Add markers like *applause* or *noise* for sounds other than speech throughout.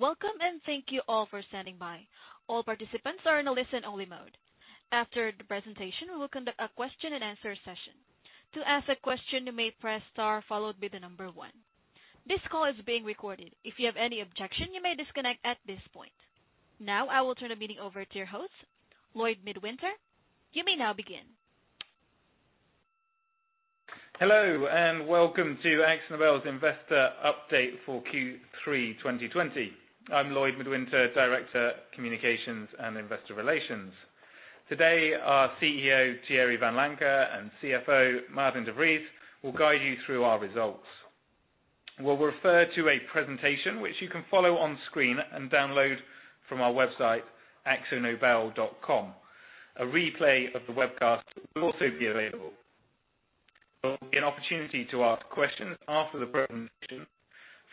Welcome and thank you all for standing by. All participants are on listen-only mode. After the presentation, we will conduct a question and answer session. To ask a question, you may press star, followed by the number one. This call is being recorded. If you have any objection, you may disconnect at this point. Now I will turn the meeting over to your host, Lloyd Midwinter. You may now begin. Hello, and welcome to AkzoNobel's investor update for Q3 2020. I'm Lloyd Midwinter, Director of Communications and Investor Relations. Today, our CEO, Thierry Vanlancker, and CFO, Maarten de Vries, will guide you through our results. We'll refer to a presentation which you can follow on screen and download from our website, akzonobel.com. A replay of the webcast will also be available. There will be an opportunity to ask questions after the presentation.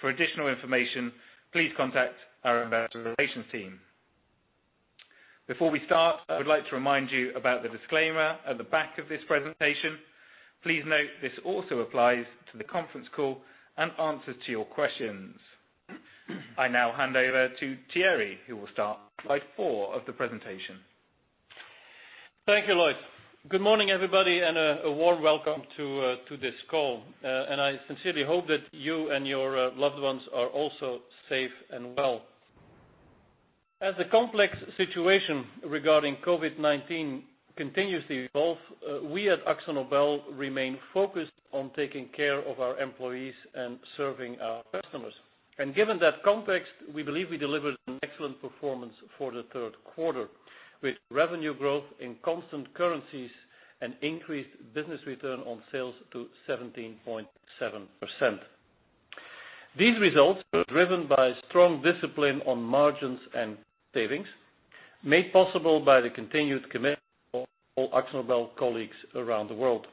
For additional information, please contact our investor relations team. Before we start, I would like to remind you about the disclaimer at the back of this presentation. Please note this also applies to the conference call and answers to your questions. I now hand over to Thierry, who will start slide 4 of the presentation. Thank you, Lloyd. Good morning, everybody, a warm welcome to this call. I sincerely hope that you and your loved ones are also safe and well. As the complex situation regarding COVID-19 continues to evolve, we at AkzoNobel remain focused on taking care of our employees and serving our customers. Given that context, we believe we delivered an excellent performance for the third quarter, with revenue growth in constant currencies and increased business return on sales to 17.7%. These results were driven by strong discipline on margins and savings made possible by the continued commitment of all AkzoNobel colleagues around the world.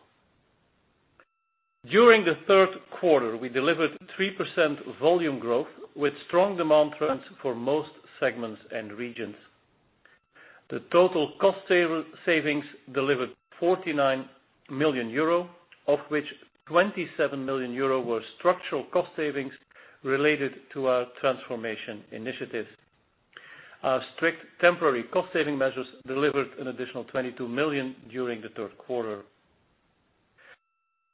During the third quarter, we delivered 3% volume growth with strong demand trends for most segments and regions. The total cost savings delivered 49 million euro, of which 27 million euro were structural cost savings related to our transformation initiatives. Our strict temporary cost-saving measures delivered an additional 22 million during the third quarter.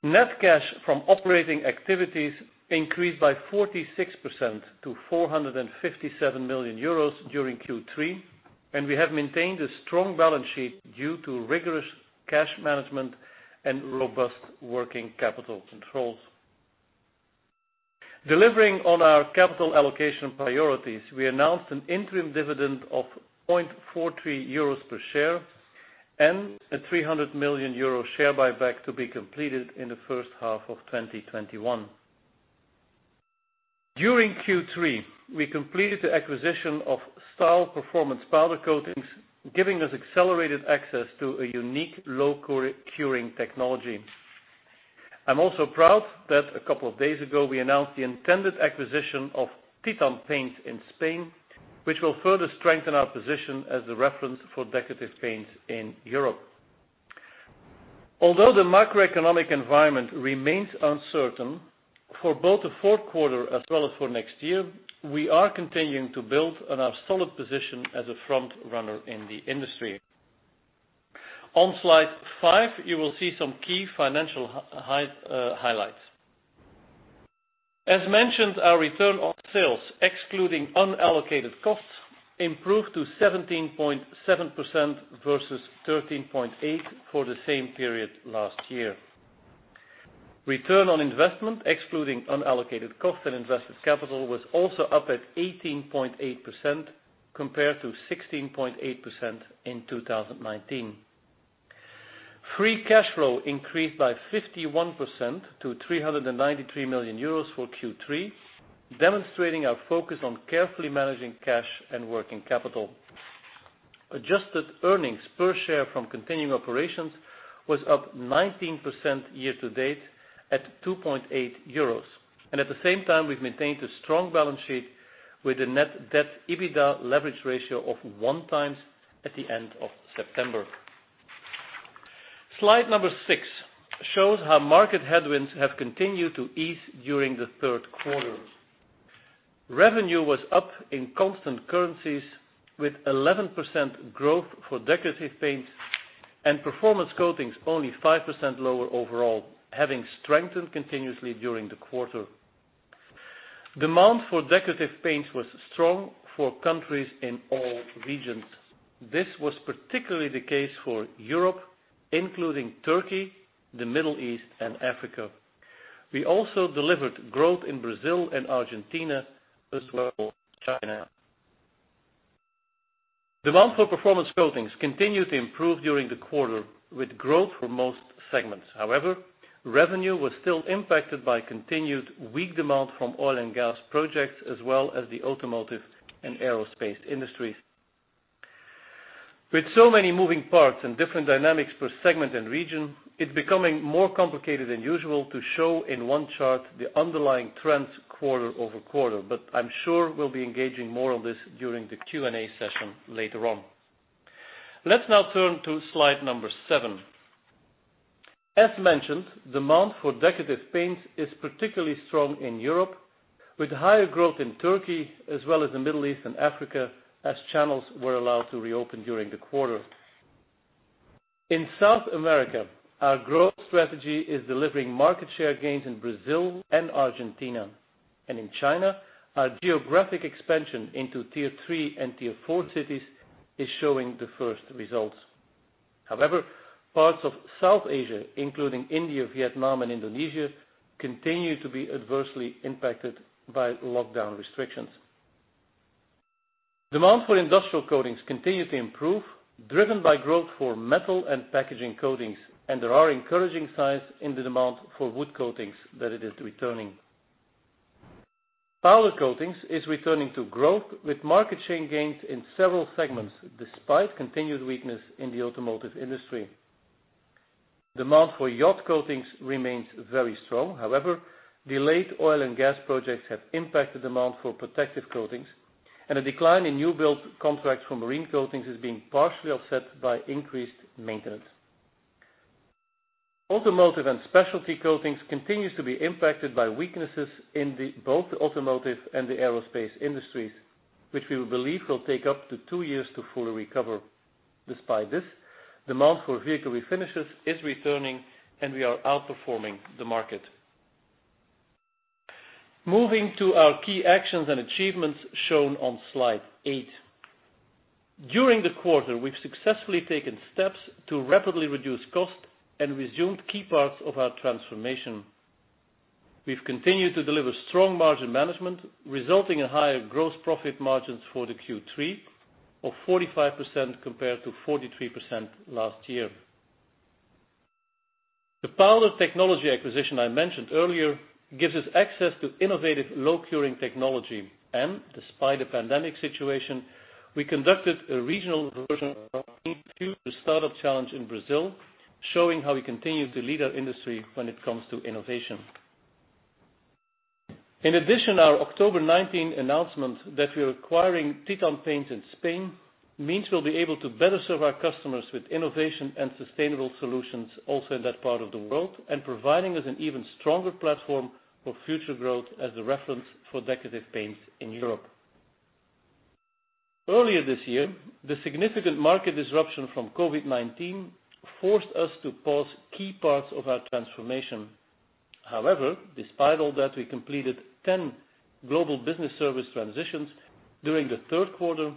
Net cash from operating activities increased by 46% to 457 million euros during Q3, and we have maintained a strong balance sheet due to rigorous cash management and robust working capital controls. Delivering on our capital allocation priorities, we announced an interim dividend of 0.43 euros per share and a 300 million euro share buyback to be completed in the first half of 2021. During Q3, we completed the acquisition of Stahl Performance Powder Coatings, giving us accelerated access to a unique low curing technology. I'm also proud that a couple of days ago we announced the intended acquisition of Titan Paints in Spain, which will further strengthen our position as the reference for decorative paints in Europe. Although the macroeconomic environment remains uncertain for both the fourth quarter as well as for next year, we are continuing to build on our solid position as a frontrunner in the industry. On slide 5, you will see some key financial highlights. As mentioned, our return on sales, excluding unallocated costs, improved to 17.7% versus 13.8% for the same period last year. Return on investment, excluding unallocated costs and invested capital, was also up at 18.8% compared to 16.8% in 2019. Free cash flow increased by 51% to 393 million euros for Q3, demonstrating our focus on carefully managing cash and working capital. Adjusted earnings per share from continuing operations was up 19% year to date at 2.8 euros. At the same time, we've maintained a strong balance sheet with a net debt EBITDA leverage ratio of one times at the end of September. Slide number 6 shows how market headwinds have continued to ease during the third quarter. Revenue was up in constant currencies with 11% growth for Decorative Paints and Performance Coatings only 5% lower overall, having strengthened continuously during the quarter. Demand for Decorative Paints was strong for countries in all regions. This was particularly the case for Europe, including Turkey, the Middle East, and Africa. We also delivered growth in Brazil and Argentina, as well as China. Demand for Performance Coatings continued to improve during the quarter with growth for most segments. However, revenue was still impacted by continued weak demand from oil and gas projects as well as the automotive and aerospace industries. With so many moving parts and different dynamics per segment and region, it's becoming more complicated than usual to show in one chart the underlying trends quarter-over-quarter, but I'm sure we'll be engaging more on this during the Q&A session later on. Let's now turn to slide number 7. As mentioned, demand for Decorative Paints is particularly strong in Europe, with higher growth in Turkey as well as the Middle East and Africa as channels were allowed to reopen during the quarter. In South America, our growth strategy is delivering market share gains in Brazil and Argentina. In China, our geographic expansion into Tier 3 and Tier 4 cities is showing the first results. However, parts of South Asia, including India, Vietnam, and Indonesia, continue to be adversely impacted by lockdown restrictions. Demand for Industrial Coatings continue to improve, driven by growth for metal and packaging coatings, and there are encouraging signs in the demand for wood coatings that it is returning. Powder Coatings is returning to growth with market share gains in several segments, despite continued weakness in the automotive industry. Demand for yacht coatings remains very strong. Delayed oil and gas projects have impacted demand for Protective Coatings, and a decline in new build contracts for Marine Coatings is being partially offset by increased maintenance. Automotive and Specialty Coatings continues to be impacted by weaknesses in both the automotive and the aerospace industries, which we believe will take up to two years to fully recover. Despite this, demand for vehicle refinishes is returning, and we are outperforming the market. Moving to our key actions and achievements shown on slide 8. During the quarter, we've successfully taken steps to rapidly reduce cost and resumed key parts of our transformation. We've continued to deliver strong margin management, resulting in higher gross profit margins for the Q3 of 45% compared to 43% last year. The powder technology acquisition I mentioned earlier gives us access to innovative low-cure technology, and despite the pandemic situation, we conducted a regional version 2 startup challenge in Brazil, showing how we continue to lead our industry when it comes to innovation. In addition, our October 19 announcement that we're acquiring Titan Paints in Spain means we'll be able to better serve our customers with innovation and sustainable solutions also in that part of the world, and providing us an even stronger platform for future growth as the reference for Decorative Paints in Europe. Earlier this year, the significant market disruption from COVID-19 forced us to pause key parts of our transformation. However, despite all that, we completed 10 global business service transitions during the third quarter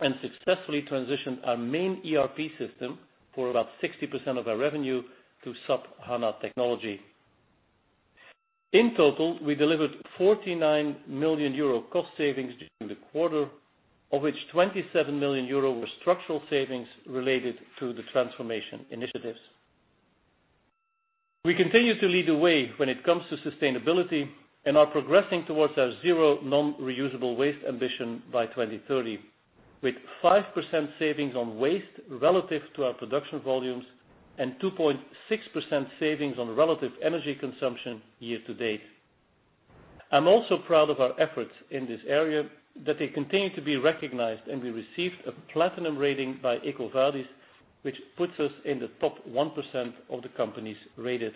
and successfully transitioned our main ERP system for about 60% of our revenue to SAP HANA technology. In total, we delivered 49 million euro cost savings during the quarter, of which 27 million euro were structural savings related to the transformation initiatives. We continue to lead the way when it comes to sustainability and are progressing towards our zero non-reusable waste ambition by 2030, with 5% savings on waste relative to our production volumes and 2.6% savings on relative energy consumption year to date. I'm also proud of our efforts in this area, that they continue to be recognized, and we received a platinum rating by EcoVadis, which puts us in the top 1% of the companies rated.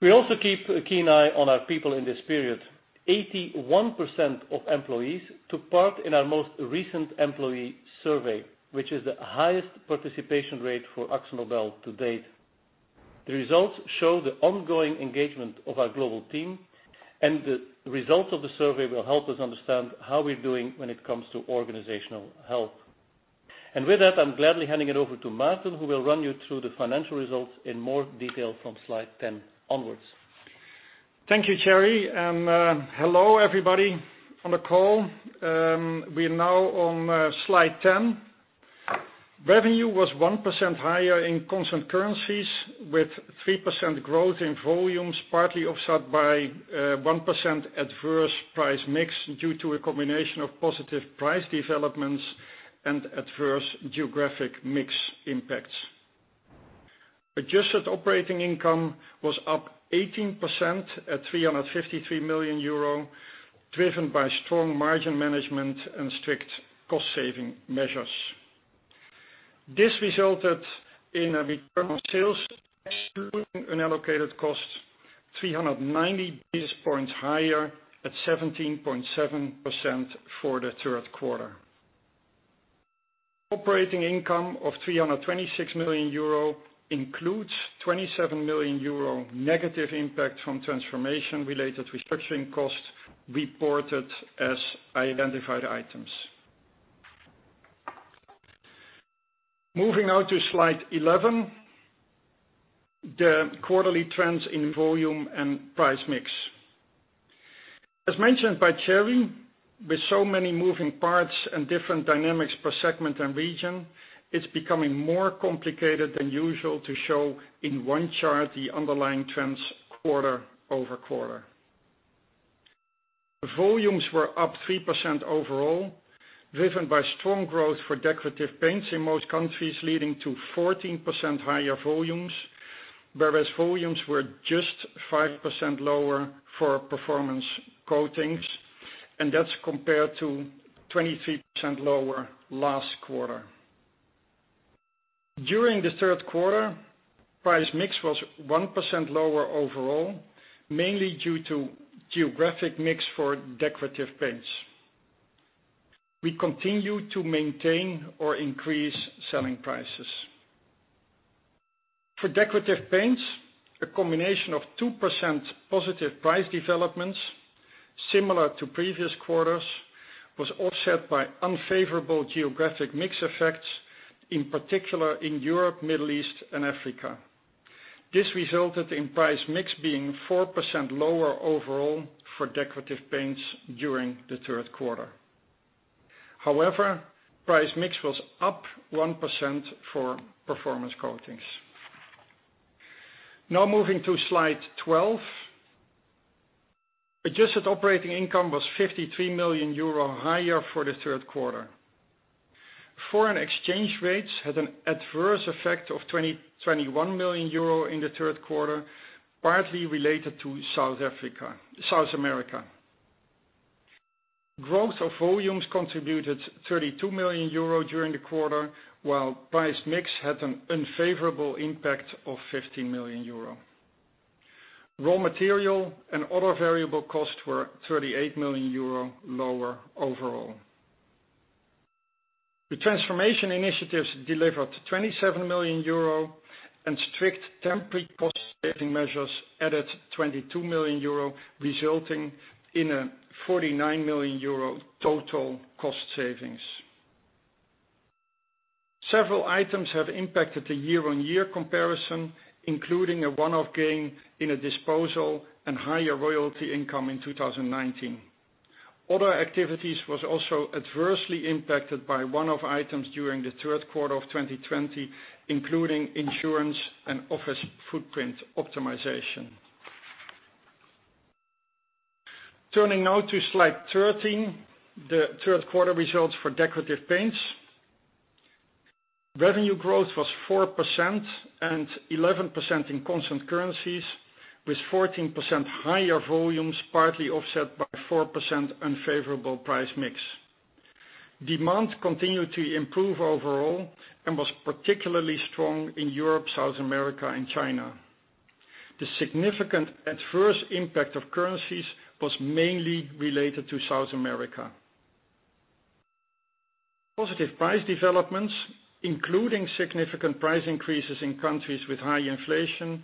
We also keep a keen eye on our people in this period. 81% of employees took part in our most recent employee survey, which is the highest participation rate for AkzoNobel to date. The results show the ongoing engagement of our global team. The results of the survey will help us understand how we're doing when it comes to organizational health. With that, I'm gladly handing it over to Maarten, who will run you through the financial results in more detail from slide 10 onwards. Thank you, Thierry. Hello everybody on the call. We are now on slide 10. Revenue was 1% higher in constant currencies with 3% growth in volumes, partly offset by 1% adverse price mix due to a combination of positive price developments and adverse geographic mix impacts. Adjusted operating income was up 18% at 353 million euro, driven by strong margin management and strict cost-saving measures. This resulted in a return on sales excluding unallocated costs 390 basis points higher at 17.7% for the third quarter. Operating income of 326 million euro includes 27 million euro negative impact from transformation-related restructuring costs reported as identified items. Moving on to slide 11, the quarterly trends in volume and price mix. As mentioned by Thierry, with so many moving parts and different dynamics per segment and region, it's becoming more complicated than usual to show in one chart the underlying trends quarter-over-quarter. Volumes were up 3% overall, driven by strong growth for Decorative Paints in most countries, leading to 14% higher volumes. Whereas volumes were just 5% lower for Performance Coatings, and that's compared to 23% lower last quarter. During the third quarter, price mix was 1% lower overall, mainly due to geographic mix for Decorative Paints. We continue to maintain or increase selling prices. For Decorative Paints, a combination of 2% positive price developments, similar to previous quarters, was offset by unfavorable geographic mix effects, in particular in Europe, Middle East, and Africa. This resulted in price mix being 4% lower overall for Decorative Paints during the third quarter. Price mix was up 1% for Performance Coatings. Moving to slide 12. Adjusted operating income was 53 million euro higher for the third quarter. Foreign exchange rates had an adverse effect of 21 million euro in the third quarter, partly related to South America. Growth of volumes contributed 32 million euro during the quarter, while price mix had an unfavorable impact of 15 million euro. Raw material and other variable costs were 38 million euro lower overall. The transformation initiatives delivered 27 million euro and strict temporary cost saving measures added 22 million euro, resulting in a 49 million euro total cost savings. Several items have impacted the year-on-year comparison, including a one-off gain in a disposal and higher royalty income in 2019. Other activities was also adversely impacted by one-off items during the third quarter of 2020, including insurance and office footprint optimization. Turning now to slide 13, the third quarter results for Decorative Paints. Revenue growth was 4% and 11% in constant currencies, with 14% higher volumes partly offset by 4% unfavorable price mix. Demand continued to improve overall and was particularly strong in Europe, South America, and China. The significant adverse impact of currencies was mainly related to South America. Positive price developments, including significant price increases in countries with high inflation,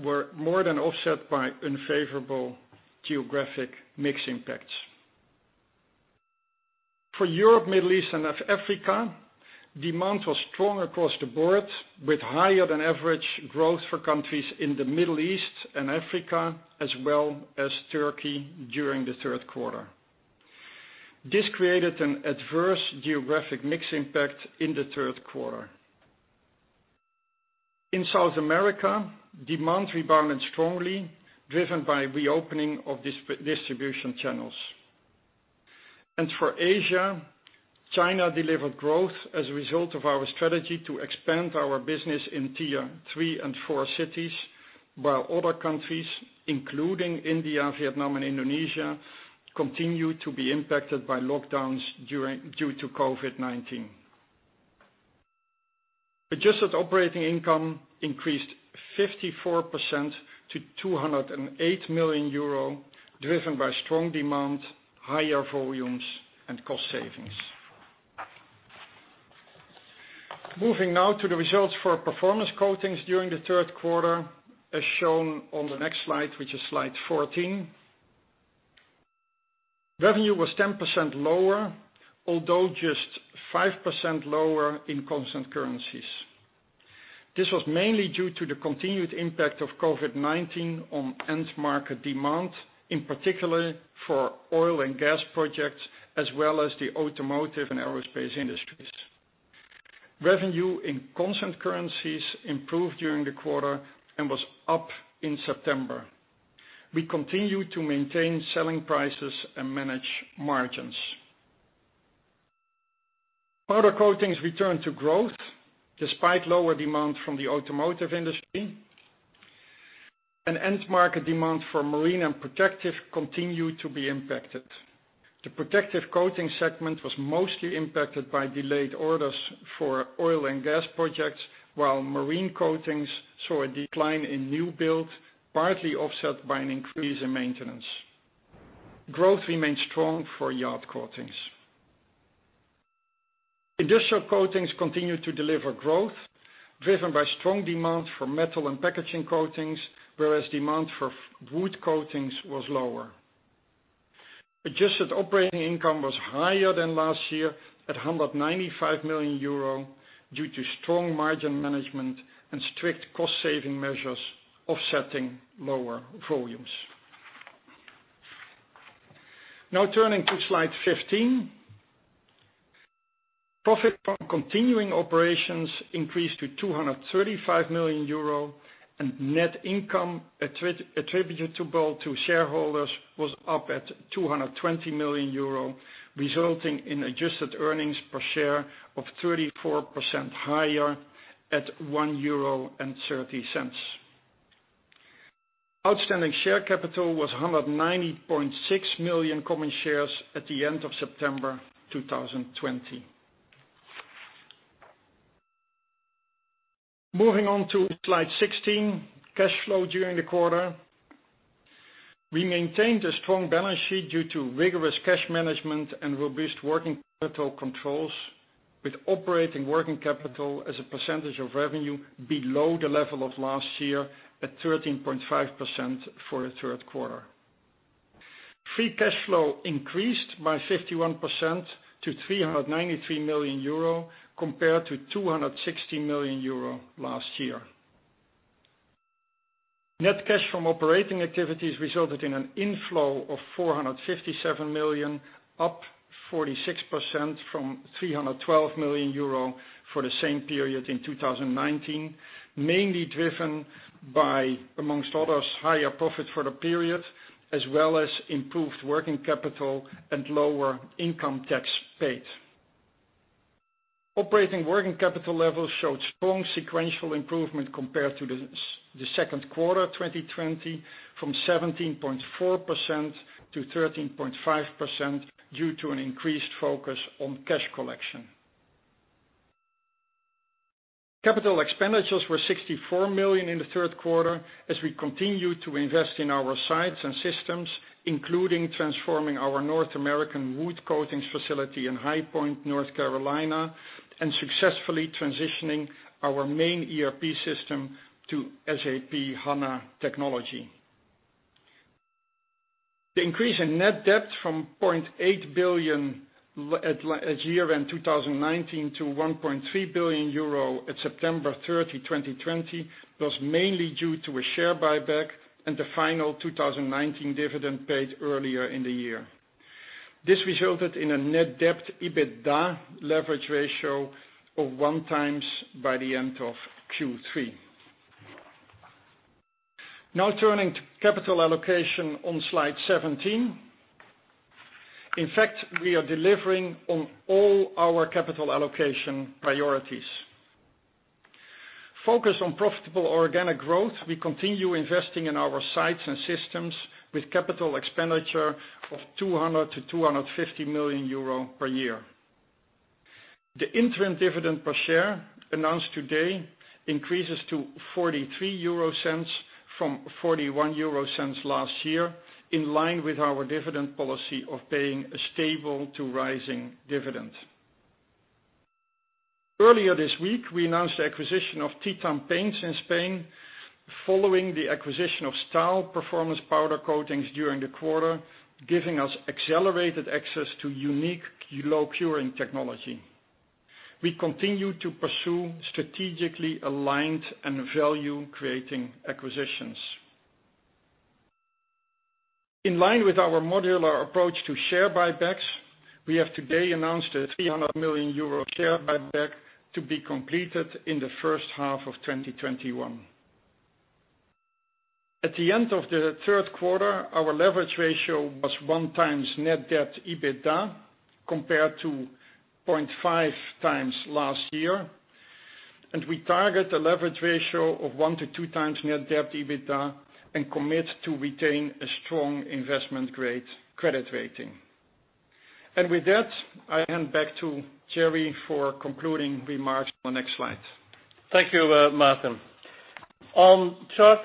were more than offset by unfavorable geographic mix impacts. For Europe, Middle East, and Africa, demand was strong across the board, with higher than average growth for countries in the Middle East and Africa as well as Turkey during the third quarter. This created an adverse geographic mix impact in the third quarter. In South America, demand rebounded strongly, driven by reopening of distribution channels. For Asia, China delivered growth as a result of our strategy to expand our business in Tier 3 and 4 cities, while other countries, including India, Vietnam, and Indonesia, continued to be impacted by lockdowns due to COVID-19. Adjusted operating income increased 54% to 208 million euro, driven by strong demand, higher volumes, and cost savings. Moving now to the results for our Performance Coatings during the third quarter, as shown on the next slide, which is slide 14. Revenue was 10% lower, although just 5% lower in constant currencies. This was mainly due to the continued impact of COVID-19 on end market demand, in particular for oil and gas projects, as well as the automotive and aerospace industries. Revenue in constant currencies improved during the quarter and was up in September. We continued to maintain selling prices and manage margins. Powder Coatings returned to growth despite lower demand from the automotive industry, and end market demand for Marine Coatings and Protective Coatings continued to be impacted. The Protective Coatings segment was mostly impacted by delayed orders for oil and gas projects, while Marine Coatings saw a decline in new build, partly offset by an increase in maintenance. Growth remained strong for yacht coatings. Industrial Coatings continued to deliver growth driven by strong demand for metal and packaging coatings, whereas demand for wood coatings was lower. Adjusted operating income was higher than last year at 195 million euro due to strong margin management and strict cost saving measures offsetting lower volumes. Now turning to slide 15. Profit from continuing operations increased to 235 million euro, and net income attributable to shareholders was up at 220 million euro, resulting in adjusted earnings per share of 34% higher at 1.30 euro. Outstanding share capital was 190.6 million common shares at the end of September 2020. Moving on to slide 16, cash flow during the quarter. We maintained a strong balance sheet due to rigorous cash management and robust working capital controls, with operating working capital as a percentage of revenue below the level of last year, at 13.5% for the third quarter. Free cash flow increased by 51% to 393 million euro, compared to 260 million euro last year. Net cash from operating activities resulted in an inflow of 457 million, up 46% from 312 million euro for the same period in 2019, mainly driven by, amongst others, higher profit for the period, as well as improved working capital and lower income tax paid. Operating working capital levels showed strong sequential improvement compared to the second quarter 2020, from 17.4%-13.5%, due to an increased focus on cash collection. Capital expenditures were 64 million in the third quarter, as we continue to invest in our sites and systems, including transforming our North American wood coatings facility in High Point, North Carolina, and successfully transitioning our main ERP system to SAP HANA technology. The increase in net debt from 0.8 billion at year-end 2019 to 1.3 billion euro at September 30, 2020, was mainly due to a share buyback and the final 2019 dividend paid earlier in the year. This resulted in a net debt EBITDA leverage ratio of one times by the end of Q3. Now turning to capital allocation on slide 17. In fact, we are delivering on all our capital allocation priorities. Focused on profitable organic growth, we continue investing in our sites and systems with capital expenditure of 200 million-250 million euro per year. The interim dividend per share announced today increases to 0.43 from 0.41 last year, in line with our dividend policy of paying a stable to rising dividend. Earlier this week, we announced the acquisition of Titan Paints in Spain, following the acquisition of Stahl Performance Powder Coatings during the quarter, giving us accelerated access to unique low curing technology. We continue to pursue strategically aligned and value-creating acquisitions. In line with our modular approach to share buybacks, we have today announced a 300 million euro share buyback to be completed in the first half of 2021. At the end of the third quarter, our leverage ratio was one times net debt EBITDA, compared to 0.5 times last year, and we target a leverage ratio of one to two times net debt EBITDA and commit to retain a strong investment credit rating. With that, I hand back to Thierry for concluding remarks on the next slide. Thank you, Maarten. On chart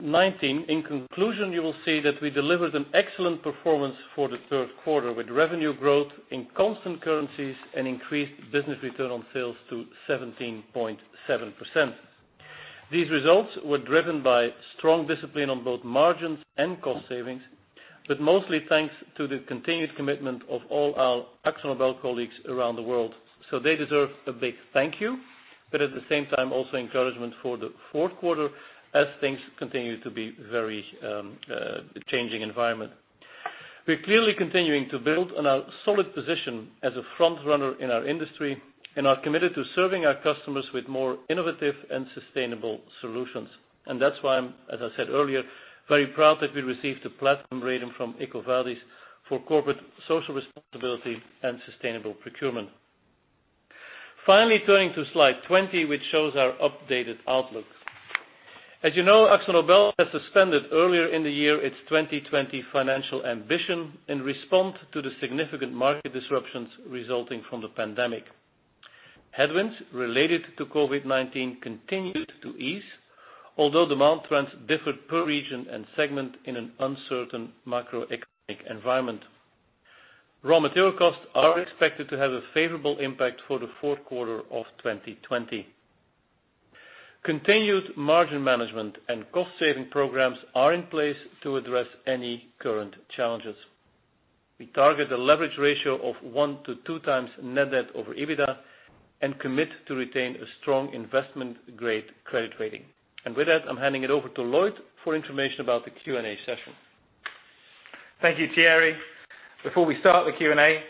19, in conclusion, you will see that we delivered an excellent performance for the third quarter, with revenue growth in constant currencies and increased business return on sales to 17.7%. These results were driven by strong discipline on both margins and cost savings, but mostly thanks to the continued commitment of all our AkzoNobel colleagues around the world. They deserve a big thank you, but at the same time, also encouragement for the fourth quarter as things continue to be very changing environment. We're clearly continuing to build on our solid position as a frontrunner in our industry and are committed to serving our customers with more innovative and sustainable solutions. That's why I'm, as I said earlier, very proud that we received a Platinum rating from EcoVadis for corporate social responsibility and sustainable procurement. Finally, turning to slide 20, which shows our updated outlook. As you know, AkzoNobel has suspended earlier in the year its 2020 financial ambition in response to the significant market disruptions resulting from the pandemic. Headwinds related to COVID-19 continued to ease, although demand trends differed per region and segment in an uncertain macroeconomic environment. Raw material costs are expected to have a favorable impact for the fourth quarter of 2020. Continued margin management and cost saving programs are in place to address any current challenges. We target a leverage ratio of one to two times net debt over EBITDA and commit to retain a strong investment grade credit rating. With that, I'm handing it over to Lloyd for information about the Q&A session. Thank you, Thierry. Before we start the Q&A,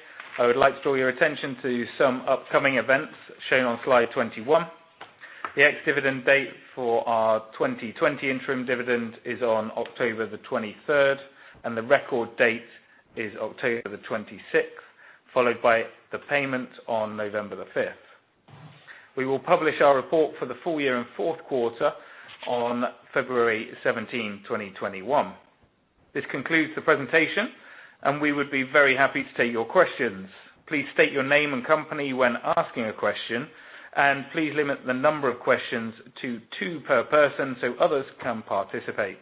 I would like to draw your attention to some upcoming events shown on slide 21. The ex-dividend date for our 2020 interim dividend is on October the 23rd, and the record date is October the 26th, followed by the payment on November the 5th. We will publish our report for the full year and fourth quarter on February 17, 2021. This concludes the presentation, and we would be very happy to take your questions. Please state your name and company when asking a question, and please limit the number of questions to two per person so others can participate.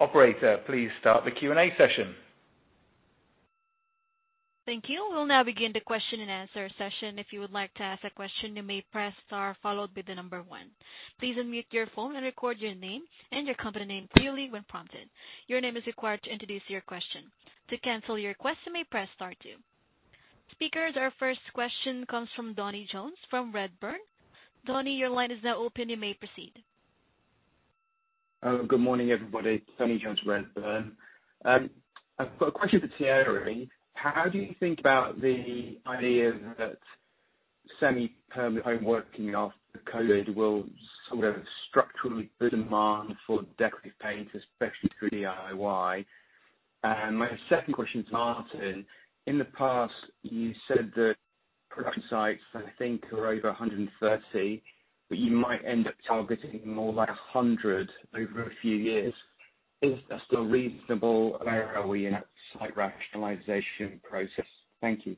Operator, please start the Q&A session. Thank you. We'll now begin the question and answer session. If you would like to ask a question you may press star followed by the number one. Please unmute your phone and record your name and company. *inaudible* Your name is required to introduce your question. To cancel your question, you may press star two. Speakers, our first question comes from Tony Jones from Redburn. Tony, your line is now open. You may proceed. Good morning, everybody. Tony Jones, Redburn. I've got a question for Thierry. How do you think about the idea that semi-permanent home working after COVID will sort of structurally demand for Decorative Paints, especially through DIY? My second question to Maarten. In the past, you said that production sites, I think, are over 130, but you might end up targeting more like 100 over a few years. Is that still reasonable? Where are we in that site rationalization process? Thank you.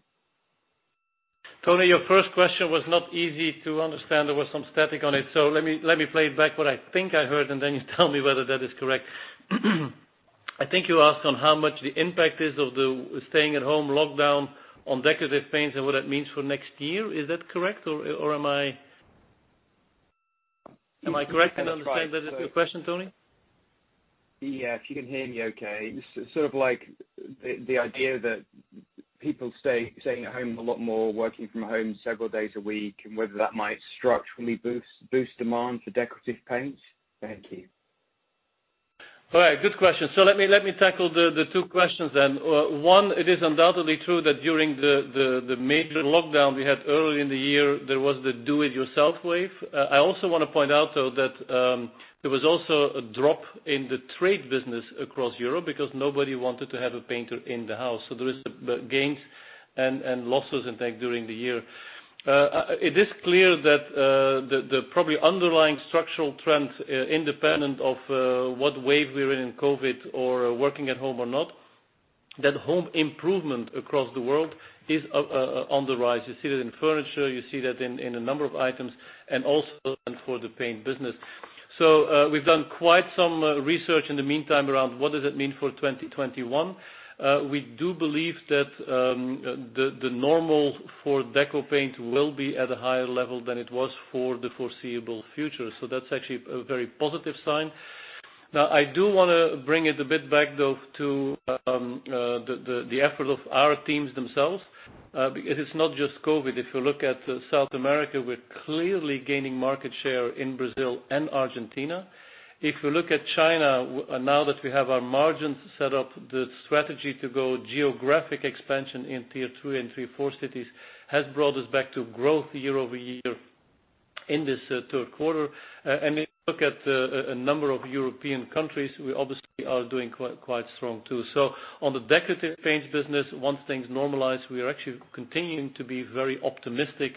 Tony, your first question was not easy to understand. There was some static on it. Let me play back what I think I heard, and then you tell me whether that is correct. I think you asked on how much the impact is of the staying at home lockdown on Decorative Paints and what it means for next year. Is that correct? Am I correct in understanding that is your question, Tony? Yeah. If you can hear me, okay. Sort of like the idea that people staying at home a lot more, working from home several days a week, and whether that might structurally boost demand for Decorative Paints. Thank you. All right. Good question. Let me tackle the two questions then. One, it is undoubtedly true that during the major lockdown we had early in the year, there was the do it yourself wave. I also want to point out, though, that there was also a drop in the trade business across Europe because nobody wanted to have a painter in the house. There is gains and losses, in fact, during the year. It is clear that the probably underlying structural trend, independent of what wave we're in in COVID or working at home or not, that home improvement across the world is on the rise. You see that in furniture, you see that in a number of items and also for the paint business. We've done quite some research in the meantime around what does it mean for 2021. We do believe that the normal for Deco paint will be at a higher level than it was for the foreseeable future. That's actually a very positive sign. I do want to bring it a bit back, though, to the effort of our teams themselves. It's not just COVID. If you look at South America, we're clearly gaining market share in Brazil and Argentina. If you look at China, now that we have our margins set up, the strategy to go geographic expansion in Tier 3 and Tier 4 cities has brought us back to growth year-over-year in this third quarter. If you look at a number of European countries, we obviously are doing quite strong, too. On the Decorative Paints business, once things normalize, we are actually continuing to be very optimistic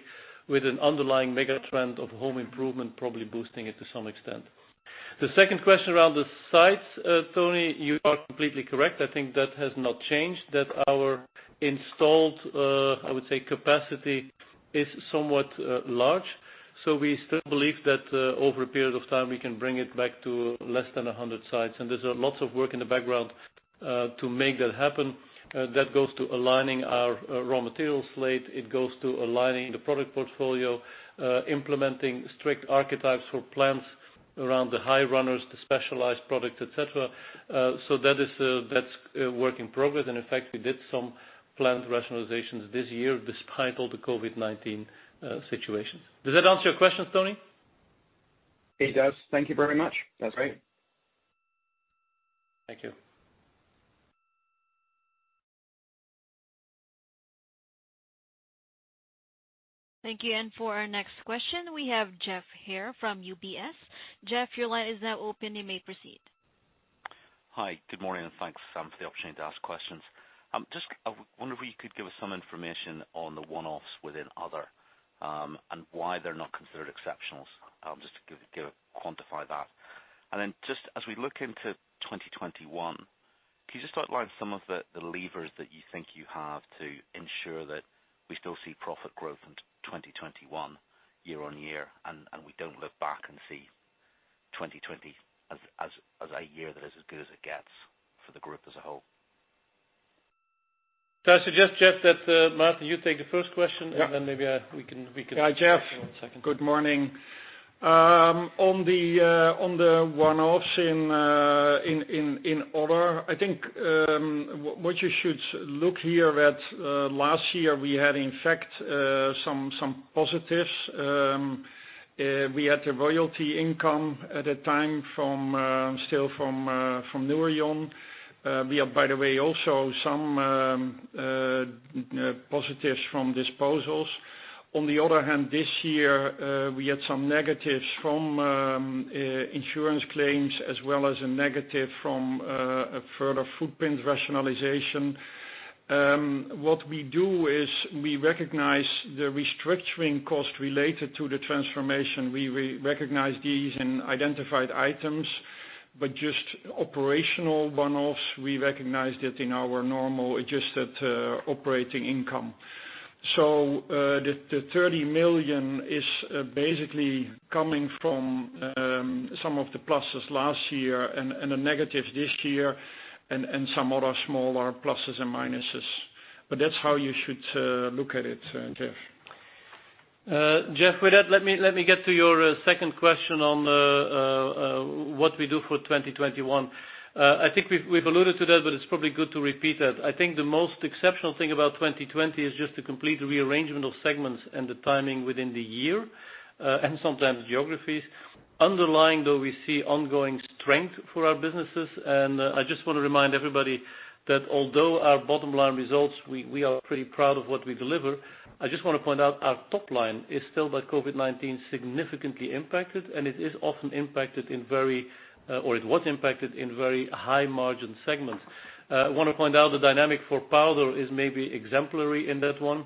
with an underlying mega trend of home improvement probably boosting it to some extent. The second question around the sites, Tony, you are completely correct. I think that has not changed, that our installed, I would say, capacity is somewhat large. We still believe that over a period of time, we can bring it back to less than 100 sites. There's lots of work in the background to make that happen. That goes to aligning our raw material slate. It goes to aligning the product portfolio, implementing strict archetypes for plants around the high runners, the specialized product, et cetera. That's a work in progress. In fact, we did some plant rationalizations this year despite all the COVID-19 situations. Does that answer your question, Tony? It does. Thank you very much. That's great. Thank you. Thank you. For our next question, we have Geoff Haire from UBS. Geoff, your line is now open. You may proceed. Hi. Good morning. Thanks for the opportunity to ask questions. I wonder if you could give us some information on the one-offs within other, and why they're not considered exceptionals. Just to quantify that. Then just as we look into 2021, can you just outline some of the levers that you think you have to ensure that we still see profit growth in 2021 year-on-year, and we don't look back and see 2020 as a year that is as good as it gets for the group as a whole? I suggest, Geoff, that, Maarten, you take the first question- Yeah. -and then maybe I can- Yeah, Geoff- -take the second. - good morning. On the one-offs in other, I think what you should look here at last year, we had, in fact, some positives. We had a royalty income at the time still from Nouryon. We have, by the way, also some positives from disposals. On the other hand, this year, we had some negatives from insurance claims as well as a negative from a further footprint rationalization. What we do is we recognize the restructuring cost related to the transformation. We recognize these in identified items, but just operational one-offs, we recognize that in our normal adjusted operating income. The 30 million is basically coming from some of the pluses last year and the negatives this year, and some other smaller pluses and minuses. That's how you should look at it, Geoff. Geoff, with that, let me get to your second question on what we do for 2021. I think we've alluded to that, but it's probably good to repeat that. I think the most exceptional thing about 2020 is just the complete rearrangement of segments and the timing within the year, and sometimes geographies. Underlying, though, we see ongoing strength for our businesses. I just want to remind everybody that although our bottom line results, we are pretty proud of what we deliver. I just want to point out our top line is still, by COVID-19, significantly impacted, and it is often impacted, or it was impacted in very high margin segments. I want to point out the dynamic for Powder is maybe exemplary in that one.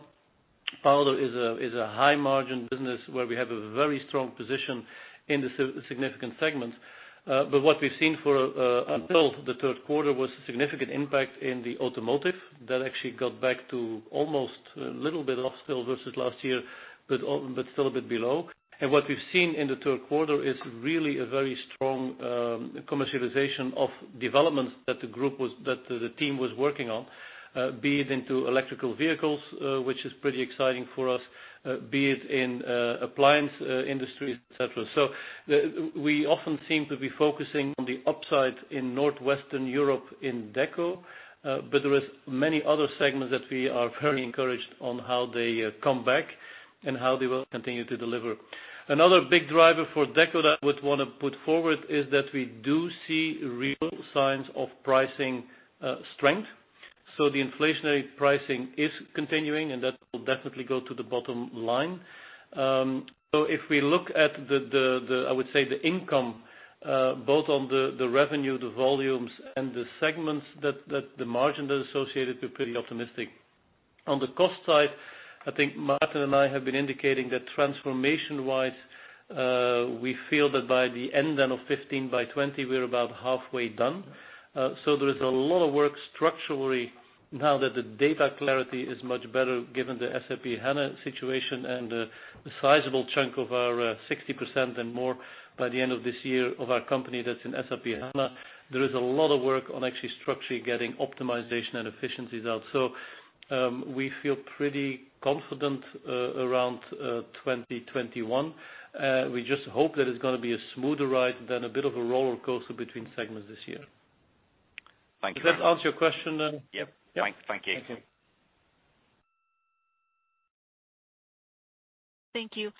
Powder is a high margin business where we have a very strong position in the significant segments. What we've seen until the third quarter was a significant impact in the automotive that actually got back to almost a little bit off still versus last year, but still a bit below. What we've seen in the third quarter is really a very strong commercialization of developments that the team was working on, be it into electrical vehicles, which is pretty exciting for us, be it in appliance industries, et cetera. We often seem to be focusing on the upside in Northwestern Europe in Deco, but there is many other segments that we are very encouraged on how they come back and how they will continue to deliver. Another big driver for Deco that I would want to put forward is that we do see real signs of pricing strength. The inflationary pricing is continuing, and that will definitely go to the bottom line. If we look at, I would say, the income both on the revenue, the volumes, and the segments that the margin that are associated, we're pretty optimistic. On the cost side, I think Maarten and I have been indicating that transformation-wise, we feel that by the end then of 15 by 20, we're about halfway done. There is a lot of work structurally now that the data clarity is much better given the SAP HANA situation and the sizable chunk of our 60% and more by the end of this year of our company that's in SAP HANA. There is a lot of work on actually structurally getting optimization and efficiencies out. We feel pretty confident around 2021. We just hope that it's going to be a smoother ride than a bit of a roller coaster between segments this year. Thank you. Does that answer your question then? Yep. Okay. Thank you. Thank you.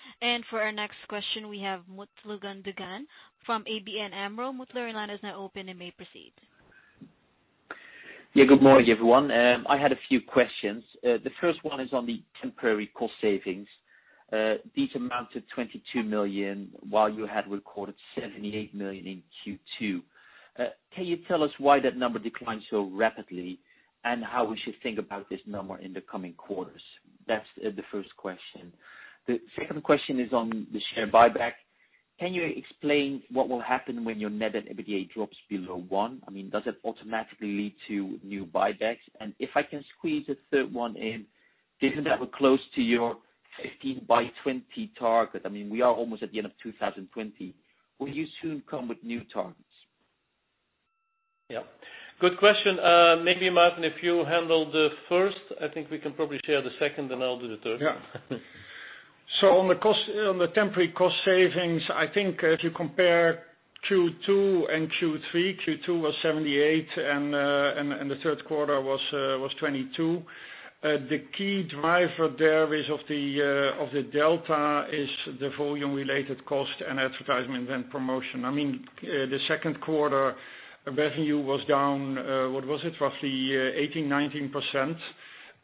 For our next question, we have Mutlu Gundogan from ABN AMRO. Mutlu, your line is now open and may proceed. Good morning, everyone. I had a few questions. The first one is on the temporary cost savings. These amount to 22 million, while you had recorded 78 million in Q2. Can you tell us why that number declined so rapidly, and how we should think about this number in the coming quarters? That's the first question. The second question is on the share buyback. Can you explain what will happen when your net at EBITDA drops below one? Does it automatically lead to new buybacks? If I can squeeze a third one in, given that we're close to your 15 by 20 target, we are almost at the end of 2020, will you soon come with new targets? Yeah. Good question. Maybe, Maarten, if you handle the first, I think we can probably share the second, and I'll do the third. Yeah. On the temporary cost savings, I think if you compare Q2 and Q3, Q2 was 78 million, and the third quarter was 22 million. The key driver there of the delta is the volume related cost and advertisement and promotion. The second quarter revenue was down, what was it? Roughly 18%,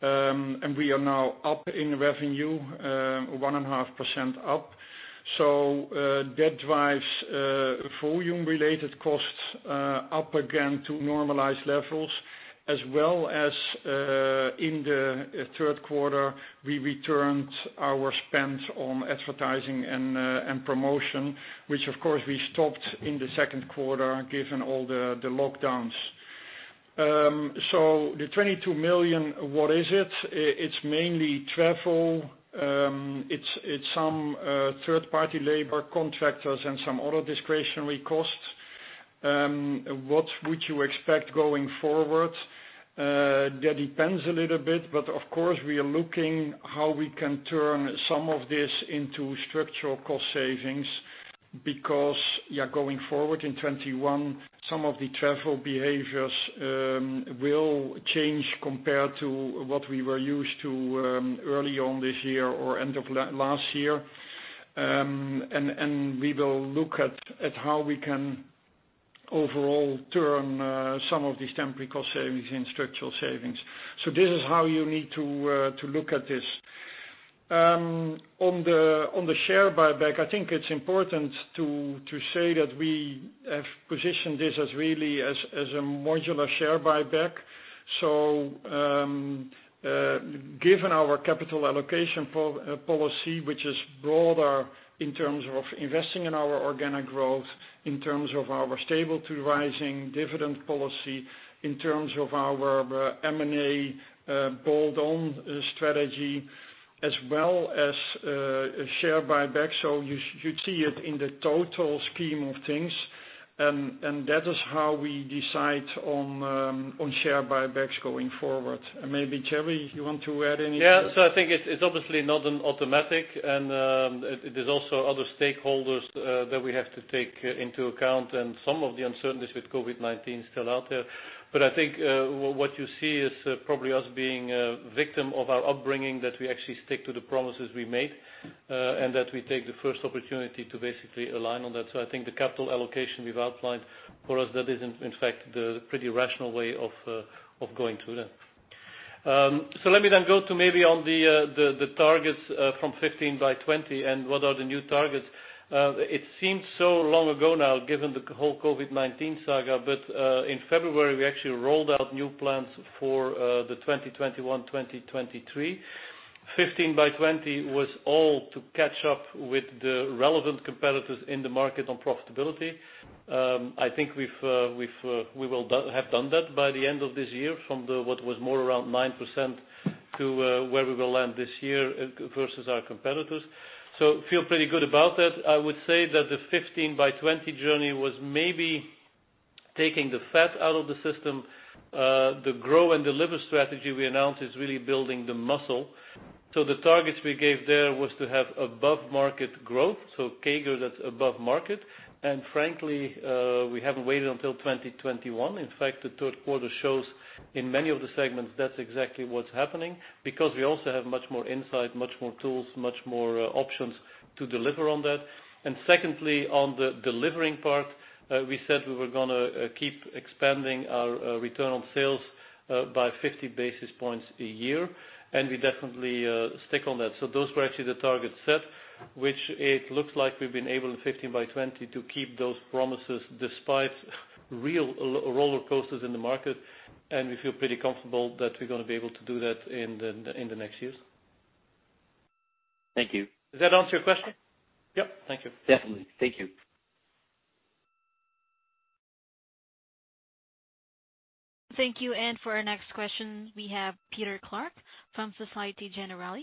19%. We are now up in revenue, 1.5% up. That drives volume related costs up again to normalized levels as well as in the third quarter, we returned our spends on advertising and promotion, which, of course, we stopped in the second quarter, given all the lockdowns. The 22 million, what is it? It's mainly travel. It's some third-party labor contractors and some other discretionary costs. What would you expect going forward? That depends a little bit, but of course, we are looking how we can turn some of this into structural cost savings because going forward in 2021, some of the travel behaviors will change compared to what we were used to early on this year or end of last year. We will look at how we can overall turn some of these temporary cost savings into structural savings. This is how you need to look at this. On the share buyback, I think it's important to say that we have positioned this as really as a modular share buyback. Given our capital allocation policy, which is broader in terms of investing in our organic growth, in terms of our stable to rising dividend policy, in terms of our M&A build on strategy, as well as share buybacks. You should see it in the total scheme of things. That is how we decide on share buybacks going forward. Maybe Thierry, you want to add anything? I think it's obviously not automatic and there's also other stakeholders that we have to take into account and some of the uncertainties with COVID-19 still out there. I think, what you see is probably us being victim of our upbringing, that we actually stick to the promises we make, and that we take the first opportunity to basically align on that. I think the capital allocation we've outlined for us, that is in fact the pretty rational way of going through that. Let me go to maybe on the targets from 15 by 20 and what are the new targets. It seems so long ago now, given the whole COVID-19 saga, but in February, we actually rolled out new plans for the 2021, 2023. 15 by 20 was all to catch up with the relevant competitors in the market on profitability. I think we will have done that by the end of this year from what was more around 9% to where we will land this year versus our competitors. Feel pretty good about that. I would say that the 15 by 20 journey was maybe taking the fat out of the system. The grow and deliver strategy we announced is really building the muscle. The targets we gave there was to have above market growth, so CAGR that's above market. Frankly, we haven't waited until 2021. In fact, the third quarter shows in many of the segments that's exactly what's happening, because we also have much more insight, much more tools, much more options to deliver on that. Secondly, on the delivering part, we said we were going to keep expanding our return on sales by 50 basis points a year, and we definitely stick on that. Those were actually the targets set, which it looks like we've been able in 15 by 20 to keep those promises despite real roller coasters in the market. We feel pretty comfortable that we're going to be able to do that in the next years. Thank you. Does that answer your question? Yep. Thank you. Definitely. Thank you. Thank you. For our next question, we have Peter Clark from Société Générale.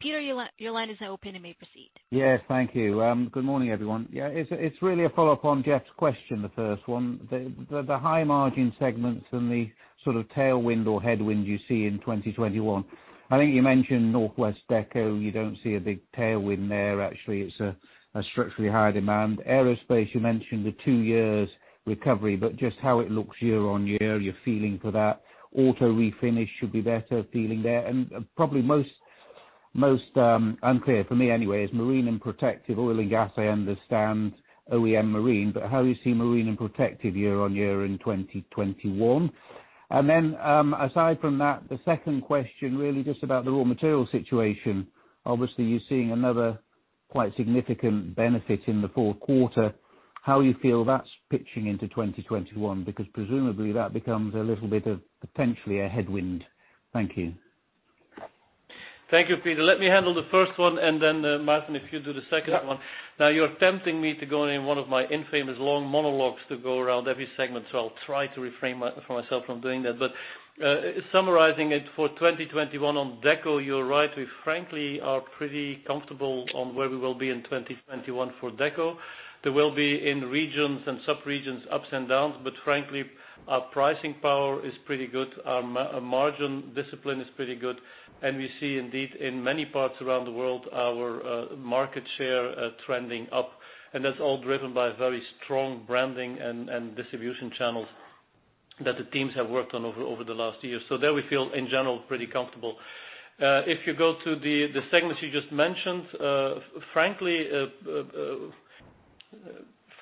Peter, your line is now open. You may proceed. Yes, thank you. Good morning, everyone. Yeah, it's really a follow-up on Geoff's question, the first one. The high margin segments and the sort of tailwind or headwind you see in 2021. I think you mentioned Northwest Deco, you don't see a big tailwind there. Actually, it's a structurally high demand. Aerospace, you mentioned the two years recovery, but just how it looks year-on-year, your feeling for that. Auto Refinish should be better, feeling there. Probably most unclear, for me anyway, is Marine and Protective. Oil and Gas, I understand OEM Marine, but how you see Marine and Protective year-on-year in 2021? Aside from that, the second question really just about the raw material situation. Obviously, you're seeing another quite significant benefit in the fourth quarter. How you feel that's pitching into 2021, because presumably that becomes a little bit of potentially a headwind. Thank you. Thank you, Peter. Let me handle the first one, and then, Maarten, if you do the second one. Yeah. You're tempting me to go on one of my infamous long monologues to go around every segment. I'll try to refrain myself from doing that. Summarizing it for 2021 on Deco, you're right, we frankly are pretty comfortable on where we will be in 2021 for Deco. There will be in regions and subregions ups and downs. Frankly, our pricing power is pretty good. Our margin discipline is pretty good. We see indeed in many parts around the world, our market share trending up. That's all driven by very strong branding and distribution channels that the teams have worked on over the last year. There we feel, in general, pretty comfortable. If you go to the segments you just mentioned, frankly,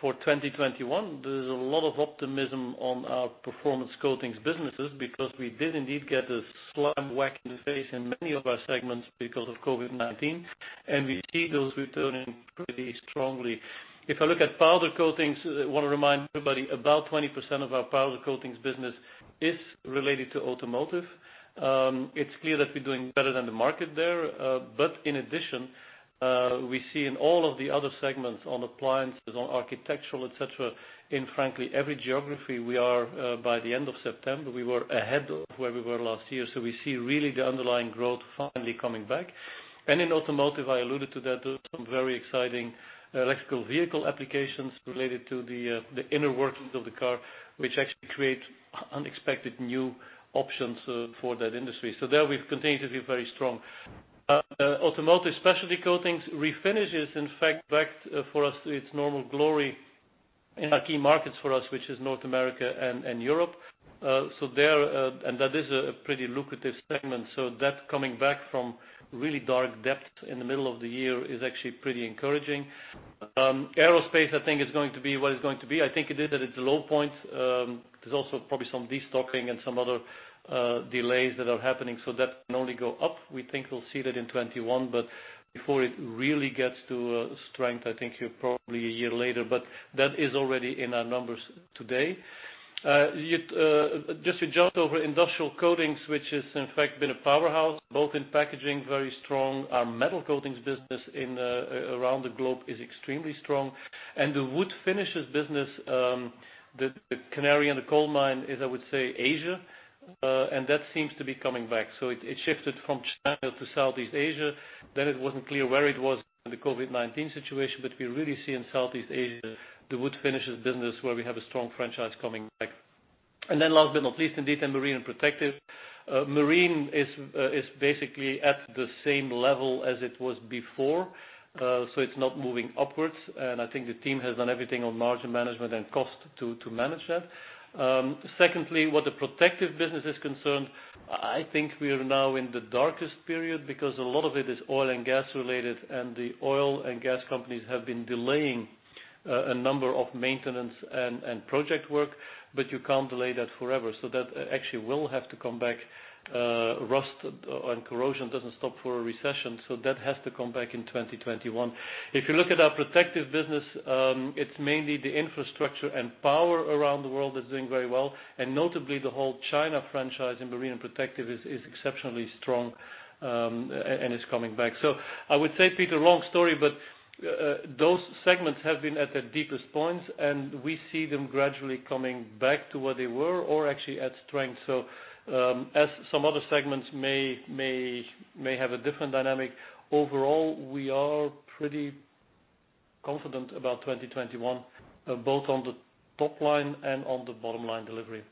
for 2021, there's a lot of optimism on our Performance Coatings businesses because we did indeed get a slam whack in the face in many of our segments because of COVID-19, and we see those returning pretty strongly. If I look at Powder Coatings, want to remind everybody, about 20% of our Powder Coatings business is related to automotive. It's clear that we're doing better than the market there. In addition, we see in all of the other segments, on appliances, on architectural, et cetera, in frankly every geography, by the end of September, we were ahead of where we were last year. We see really the underlying growth finally coming back. In automotive, I alluded to that, there's some very exciting electrical vehicle applications related to the inner workings of the car, which actually create unexpected new options for that industry. There we've continued to be very strong. Automotive and Specialty Coatings, Refinish is in fact back for us to its normal glory in our key markets for us, which is North America and Europe. That is a pretty lucrative segment, so that coming back from really dark depths in the middle of the year is actually pretty encouraging. Aerospace, I think is going to be what it's going to be. I think it is at its low point. There's also probably some de-stocking and some other delays that are happening, so that can only go up. We think we'll see that in 2021, but before it really gets to strength, I think you're probably a year later, but that is already in our numbers today. Just to jump over Industrial Coatings, which has in fact been a powerhouse both in packaging, very strong. Our metal coatings business around the globe is extremely strong, and the wood finishes business, the canary in the coal mine is, I would say, Asia. That seems to be coming back. It shifted from China to Southeast Asia. It wasn't clear where it was in the COVID-19 situation, but we really see in Southeast Asia, the wood finishes business where we have a strong franchise coming back. Last but not least, indeed, in Marine and Protective. Marine is basically at the same level as it was before. It's not moving upwards. I think the team has done everything on margin management and cost to manage that. Secondly, where the Protective Coatings is concerned, I think we are now in the darkest period because a lot of it is oil and gas related, and the oil and gas companies have been delaying a number of maintenance and project work, but you can't delay that forever. That actually will have to come back. Rust and corrosion doesn't stop for a recession, that has to come back in 2021. If you look at our Protective Coatings business, it's mainly the infrastructure and power around the world that's doing very well. Notably, the whole China franchise in Marine Coatings and Protective Coatings is exceptionally strong, and it's coming back. I would say, Peter, long story, but those segments have been at their deepest points, and we see them gradually coming back to where they were or actually at strength. As some other segments may have a different dynamic, overall, we are pretty confident about 2021, both on the top line and on the bottom-line delivery.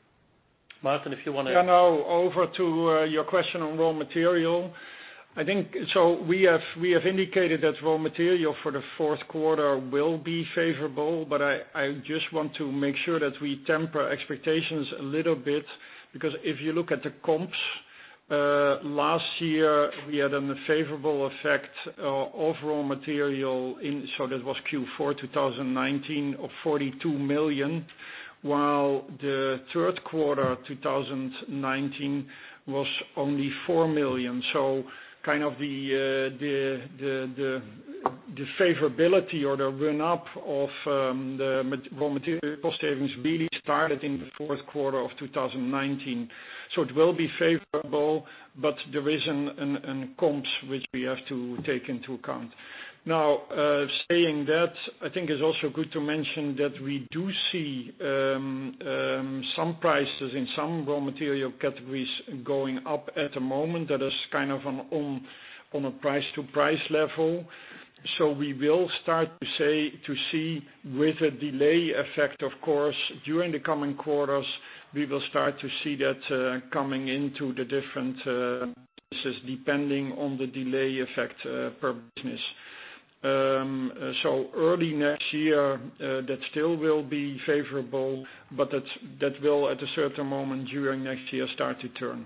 Maarten. Yeah, now, over to your question on raw material. We have indicated that raw material for the fourth quarter will be favorable, but I just want to make sure that we temper expectations a little bit because if you look at the comps, last year, we had an unfavorable effect of raw material in, so that was Q4 2019 of 42 million, while the third quarter 2019 was only 4 million. Kind of the favorability or the run-up of the raw material cost savings really started in the fourth quarter of 2019. It will be favorable, but there is comps, which we have to take into account. Now, saying that, I think it's also good to mention that we do see some prices in some raw material categories going up at the moment. That is kind of on a price to price level. We will start to see with a delay effect, of course, during the coming quarters, we will start to see that coming into the different businesses depending on the delay effect per business. Early next year, that still will be favorable, but that will, at a certain moment during next year, start to turn.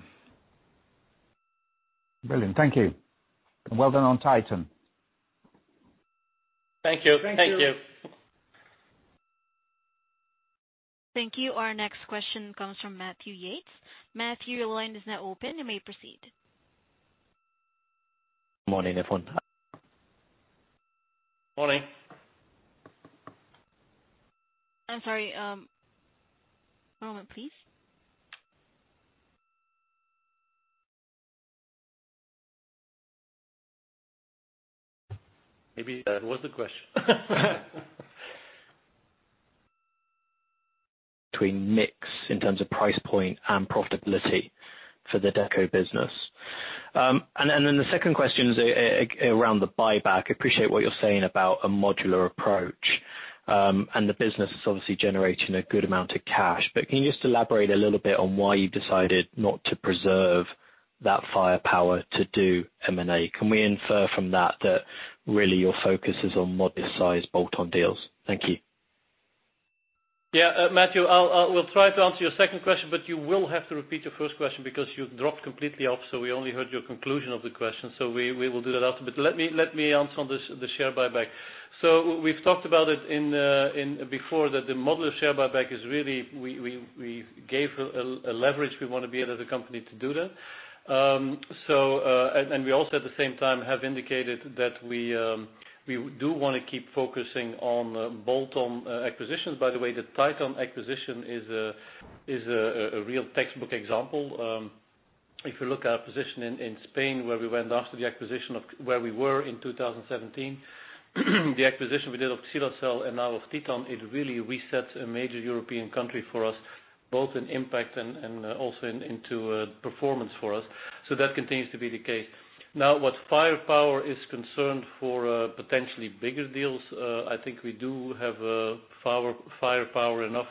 Brilliant. Thank you. Well done on Titan. Thank you. Thank you. Thank you. Our next question comes from Matthew Yates. Matthew, your line is now open. You may proceed. Morning, everyone. Morning. I'm sorry. One moment, please. Maybe that was the question. Between mix in terms of price point and profitability for the Deco business. The second question is around the buyback. I appreciate what you're saying about a modular approach. The business is obviously generating a good amount of cash, but can you just elaborate a little bit on why you decided not to preserve that firepower to do M&A? Can we infer from that really your focus is on modest size bolt-on deals? Thank you. Yeah, Matthew, we'll try to answer your second question, but you will have to repeat your first question because you dropped completely off, so we only heard your conclusion of the question. We will do that after, but let me answer on the share buyback. We've talked about it before, that the modular share buyback is really, we gave a leverage we want to be at as a company to do that. We also at the same time have indicated that we do want to keep focusing on bolt-on acquisitions. By the way, the Titan acquisition is a real textbook example. If you look at our position in Spain, where we went after the acquisition of where we were in 2017, the acquisition we did of Xylazel and now of Titan, it really resets a major European country for us, both in impact and also into performance for us. That continues to be the case. What firepower is concerned for potentially bigger deals, I think we do have firepower enough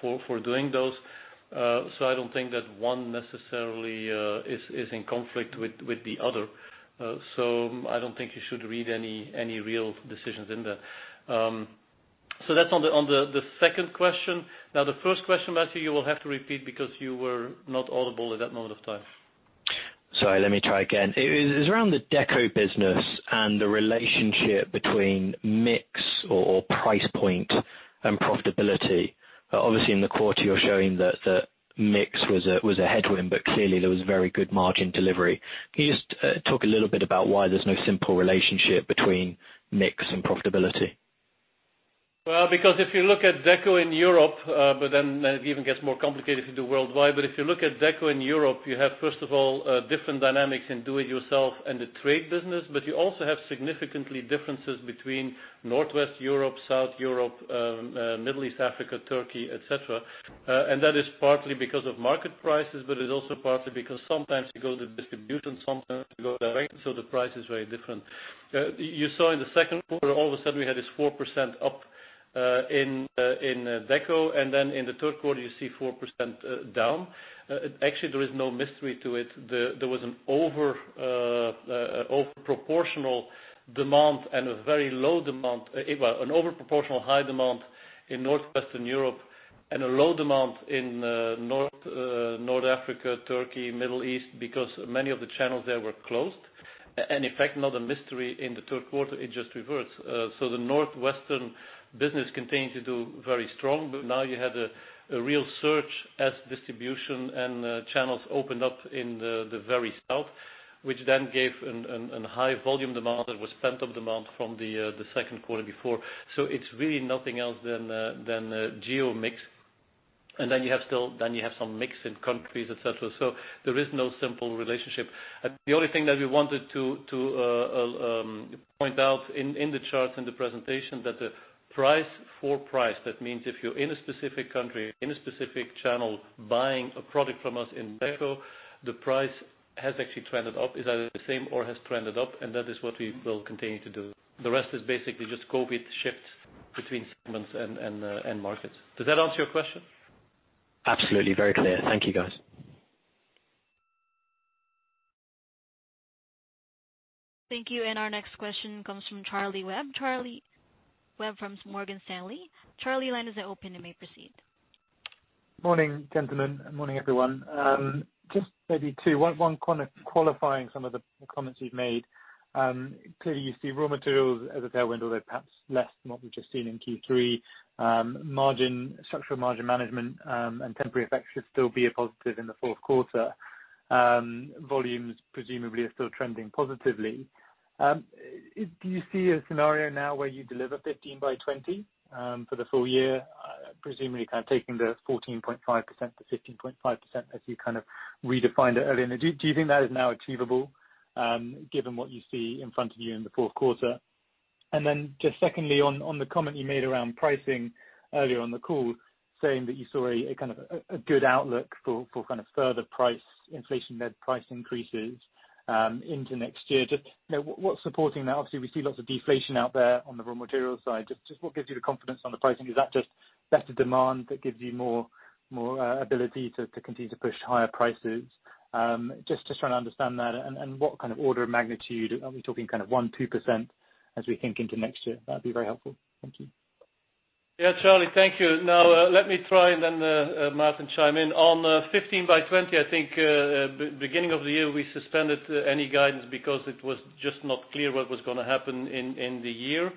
for doing those. I don't think that one necessarily is in conflict with the other. I don't think you should read any real decisions in there. That's on the second question. The first question, Matthew, you will have to repeat because you were not audible at that moment of time. Sorry, let me try again. It's around the Deco business and the relationship between mix or price point and profitability. In the quarter, you're showing that the mix was a headwind, but clearly there was very good margin delivery. Can you just talk a little bit about why there's no simple relationship between mix and profitability? Because if you look at Deco in Europe, but then it even gets more complicated if you do worldwide, but if you look at Deco in Europe, you have, first of all, different dynamics in do it yourself and the trade business. You also have significant differences between Northwest Europe, South Europe, Middle East, Africa, Turkey, et cetera. That is partly because of market prices, but it's also partly because sometimes you go to distribution, sometimes you go direct, so the price is very different. You saw in the second quarter, all of a sudden we had this 4% up in Deco, and then in the third quarter you see 4% down. Actually, there is no mystery to it. There was an over proportional high demand in Northwestern Europe and a low demand in North Africa, Turkey, Middle East, because many of the channels there were closed. In fact, not a mystery in the third quarter, it just reverts. The Northwestern business continued to do very strong. Now you had a real surge as distribution and channels opened up in the very south, which then gave an high volume demand that was pent-up demand from the second quarter before. It's really nothing else than geo mix. You have some mix in countries, et cetera. There is no simple relationship. The only thing that we wanted to point out in the charts in the presentation, that the price for price, that means if you're in a specific country, in a specific channel, buying a product from us in Deco, the price has actually trended up, is either the same or has trended up, and that is what we will continue to do. The rest is basically just COVID shift between segments and markets. Does that answer your question? Absolutely. Very clear. Thank you, guys. Thank you. Our next question comes from Charlie Webb. Charlie Webb from Morgan Stanley. Charlie, your line is open. You may proceed. Morning, gentlemen. Morning, everyone. Just maybe two, one qualifying some of the comments you've made. Clearly, you see raw materials as a tailwind, although perhaps less than what we've just seen in Q3. Structural margin management and temporary effects should still be a positive in the fourth quarter. Volumes presumably are still trending positively. Do you see a scenario now where you deliver 15 by 20 for the full year? Presumably, kind of taking the 14.5%-15.5% as you kind of redefined it earlier. Do you think that is now achievable, given what you see in front of you in the fourth quarter? Then just secondly, on the comment you made around pricing earlier on the call, saying that you saw a good outlook for further price inflation, price increases into next year. Just what's supporting that? Obviously, we see lots of deflation out there on the raw material side. Just what gives you the confidence on the pricing? Is that just better demand that gives you more ability to continue to push higher prices? Just trying to understand that. What kind of order of magnitude are we talking kind of 1%, 2% as we think into next year? That'd be very helpful. Thank you. Charlie, thank you. Let me try and then Maarten chime in. On the 15 by 20, I think beginning of the year, we suspended any guidance because it was just not clear what was going to happen in the year.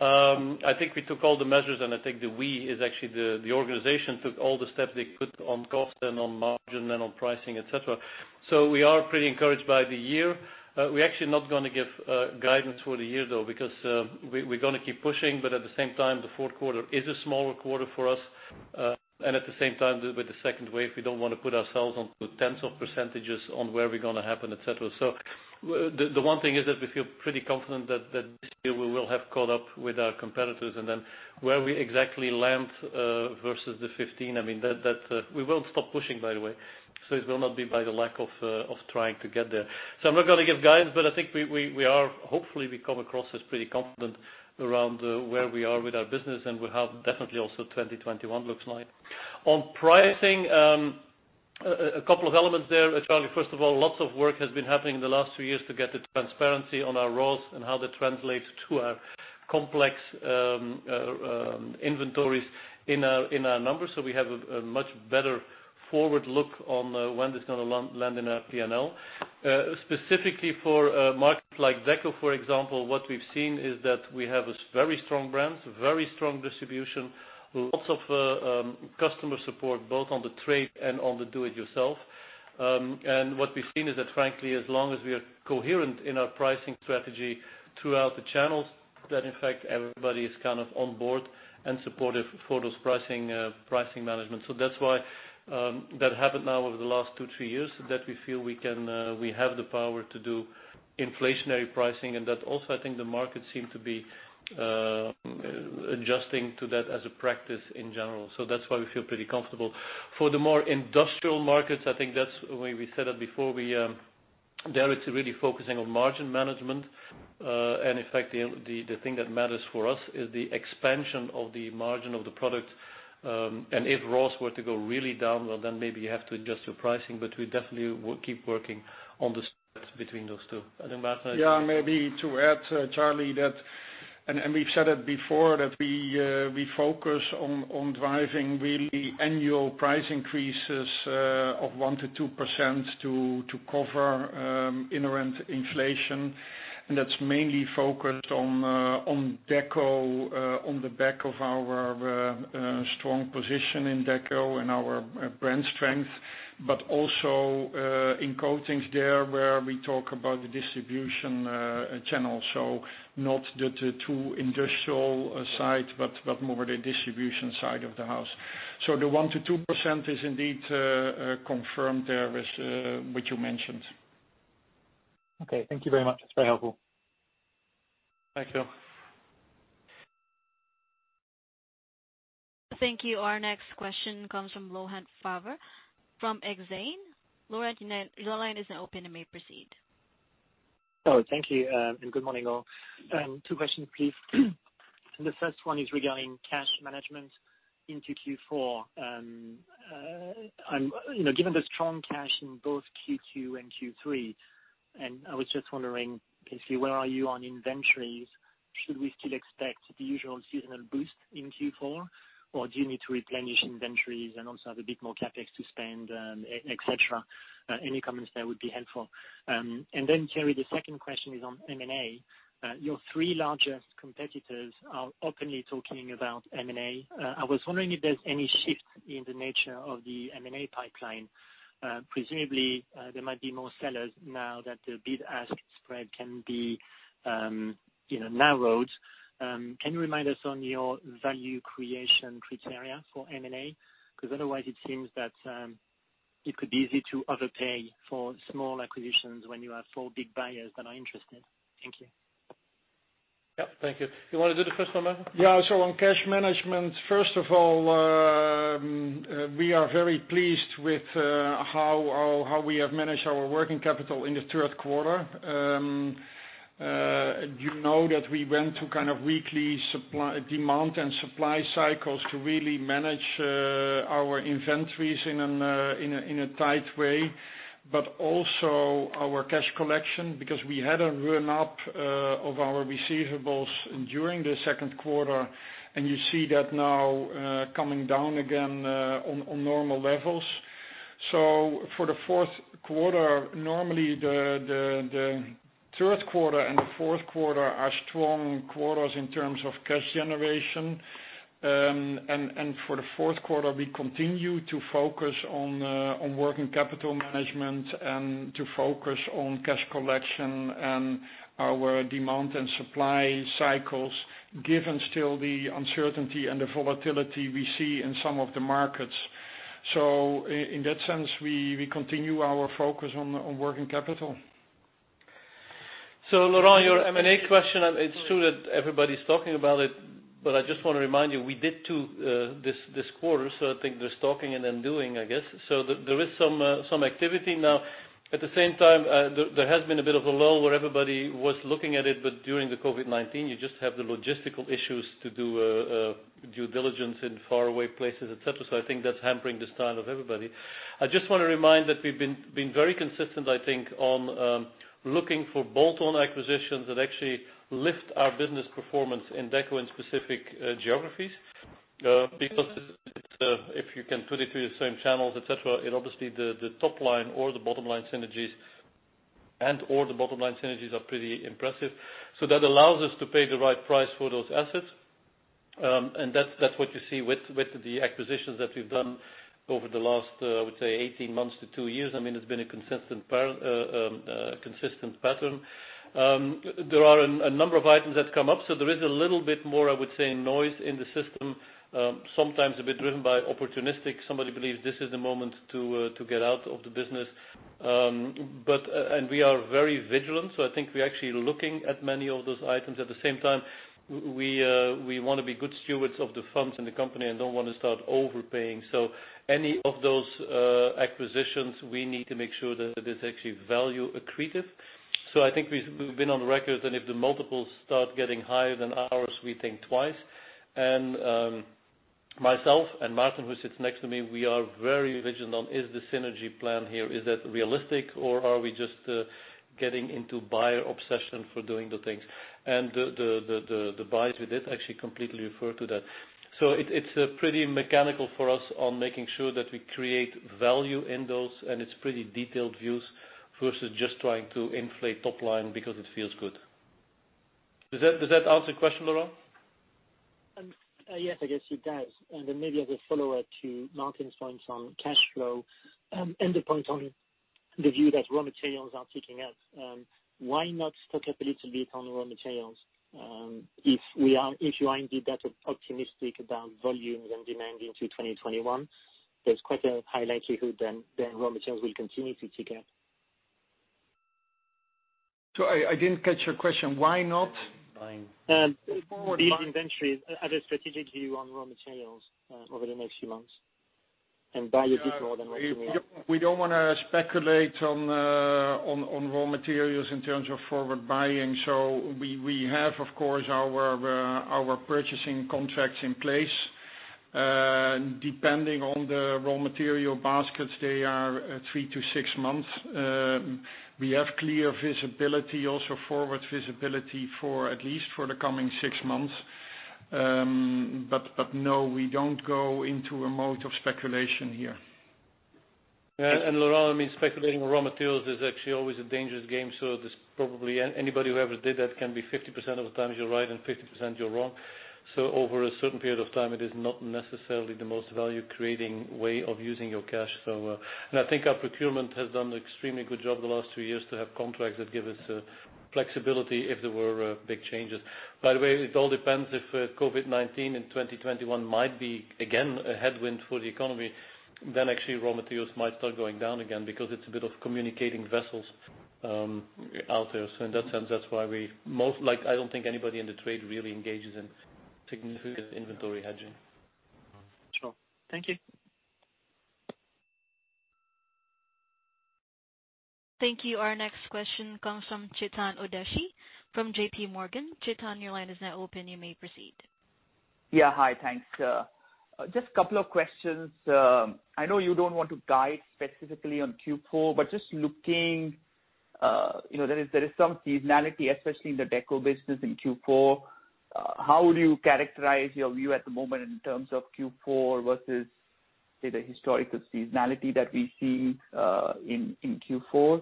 I think we took all the measures, and I think the we is actually the organization took all the steps they could on cost and on margin and on pricing, et cetera. We are pretty encouraged by the year. We're actually not going to give guidance for the year, though, because we're going to keep pushing, but at the same time, the fourth quarter is a smaller quarter for us. At the same time, with the second wave, we don't want to put ourselves onto tens of percentages on where we're going to happen, et cetera. The one thing is that we feel pretty confident that this year we will have caught up with our competitors, and then where we exactly land versus the 15, we won't stop pushing, by the way, it will not be by the lack of trying to get there. I'm not going to give guidance, but I think hopefully we come across as pretty confident around where we are with our business and we have definitely also 2021 looks like. On pricing, a couple of elements there, Charlie. First of all, lots of work has been happening in the last three years to get the transparency on our raws and how that translates to our complex inventories in our numbers, so we have a much better forward look on when it's going to land in our P&L. Specifically for markets like Deco, for example, what we've seen is that we have a very strong brand, very strong distribution, lots of customer support, both on the trade and on the do it yourself. What we've seen is that frankly, as long as we are coherent in our pricing strategy throughout the channels, that in fact everybody is kind of on board and supportive for those pricing management. That's why that happened now over the last two, three years, that we feel we have the power to do inflationary pricing, and that also I think the market seem to be adjusting to that as a practice in general. That's why we feel pretty comfortable. For the more industrial markets, I think that's the way we said it before, there it's really focusing on margin management. In fact, the thing that matters for us is the expansion of the margin of the product. If raws were to go really down, well, then maybe you have to adjust your pricing, but we definitely will keep working on the spread between those two. Maarten. Maybe to add Charlie, we've said it before, that we focus on driving really annual price increases of 1%-2% to cover inherent inflation. That's mainly focused on Deco, on the back of our strong position in Deco and our brand strength, but also in coatings there where we talk about the distribution channel. Not the two industrial sides, but more the distribution side of the house. The 1%-2% is indeed confirmed there as what you mentioned. Okay. Thank you very much. That's very helpful. Thank you. Thank you. Our next question comes from Laurent Favre from Exane. Laurent, your line is open and may proceed. Oh, thank you. Good morning, all. Two questions, please. The first one is regarding cash management into Q4. Given the strong cash in both Q2 and Q3, I was just wondering, where are you on inventories? Should we still expect the usual seasonal boost in Q4, or do you need to replenish inventories and also have a bit more CapEx to spend, et cetera? Any comments there would be helpful. Thierry, the second question is on M&A. Your three largest competitors are openly talking about M&A. I was wondering if there's any shift in the nature of the M&A pipeline. Presumably, there might be more sellers now that the bid-ask spread can be narrowed. Can you remind us on your value creation criteria for M&A? Otherwise it seems that it could be easy to overpay for small acquisitions when you have four big buyers that are interested. Thank you. Yep, thank you. You want to do the first one, Maarten? On cash management, first of all, we are very pleased with how we have managed our working capital in the third quarter. You know that we went to kind of weekly demand and supply cycles to really manage our inventories in a tight way, but also our cash collection, because we had a run up of our receivables during the second quarter, and you see that now coming down again on normal levels. For the fourth quarter, normally the third quarter and the fourth quarter are strong quarters in terms of cash generation. For the fourth quarter, we continue to focus on working capital management and to focus on cash collection and our demand and supply cycles, given still the uncertainty and the volatility we see in some of the markets. In that sense, we continue our focus on working capital. Laurent, your M&A question, it's true that everybody's talking about it, but I just want to remind you, we did two this quarter. I think there's talking and then doing, I guess. There is some activity now. At the same time, there has been a bit of a lull where everybody was looking at it, but during the COVID-19, you just have the logistical issues to do due diligence in faraway places, et cetera. I think that's hampering the style of everybody. I just want to remind that we've been very consistent, I think, on looking for bolt-on acquisitions that actually lift our business performance in Deco in specific geographies, because if you can put it through the same channels, et cetera, obviously the top line or the bottom line synergies, and/or the bottom line synergies are pretty impressive. That allows us to pay the right price for those assets. That's what you see with the acquisitions that we've done over the last, I would say, 18 months to 2 years. It's been a consistent pattern. There are a number of items that come up. There is a little bit more, I would say, noise in the system, sometimes a bit driven by opportunistic. Somebody believes this is the moment to get out of the business. We are very vigilant. I think we're actually looking at many of those items. At the same time, we want to be good stewards of the funds in the company and don't want to start overpaying. Any of those acquisitions, we need to make sure that it is actually value accretive. I think we've been on record and if the multiples start getting higher than ours, we think twice. Myself and Maarten, who sits next to me, we are very vigilant on, is the synergy plan here, is that realistic or are we just getting into buyer obsession for doing the things? The buys we did actually completely refer to that. It's pretty mechanical for us on making sure that we create value in those, and it's pretty detailed views versus just trying to inflate top line because it feels good. Does that answer your question, Laurent? Yes, I guess it does. Maybe as a follow-up to Maarten's points on cash flow, end the point on the view that raw materials are ticking up. Why not stock up a little bit on raw materials? If you are indeed that optimistic about volumes and demand into 2021, there's quite a high likelihood then raw materials will continue to tick up. Sorry, I didn't catch your question. Why not? Buying. Forward buying. Build inventories as a strategic view on raw materials over the next few months and buy a bit more than what you need. We don't want to speculate on raw materials in terms of forward buying. We have, of course, our purchasing contracts in place. Depending on the raw material baskets, they are 3-6 months. We have clear visibility, also forward visibility for at least for the coming six months. No, we don't go into a mode of speculation here. Laurent, speculating raw materials is actually always a dangerous game. Probably anybody who ever did that can be 50% of the times you're right and 50% you're wrong. Over a certain period of time, it is not necessarily the most value-creating way of using your cash. I think our procurement has done an extremely good job the last two years to have contracts that give us flexibility if there were big changes. By the way, it all depends if COVID-19 in 2021 might be, again, a headwind for the economy, then actually raw materials might start going down again because it's a bit of communicating vessels out there. In that sense, that's why I don't think anybody in the trade really engages in significant inventory hedging. Sure. Thank you. Thank you. Our next question comes from Chetan Udeshi from J.P. Morgan. Chetan, your line is now open. You may proceed. Yeah. Hi, thanks. Just a couple of questions. I know you don't want to guide specifically on Q4, but just looking, there is some seasonality, especially in the Deco business in Q4. How would you characterize your view at the moment in terms of Q4 versus, say, the historical seasonality that we see in Q4?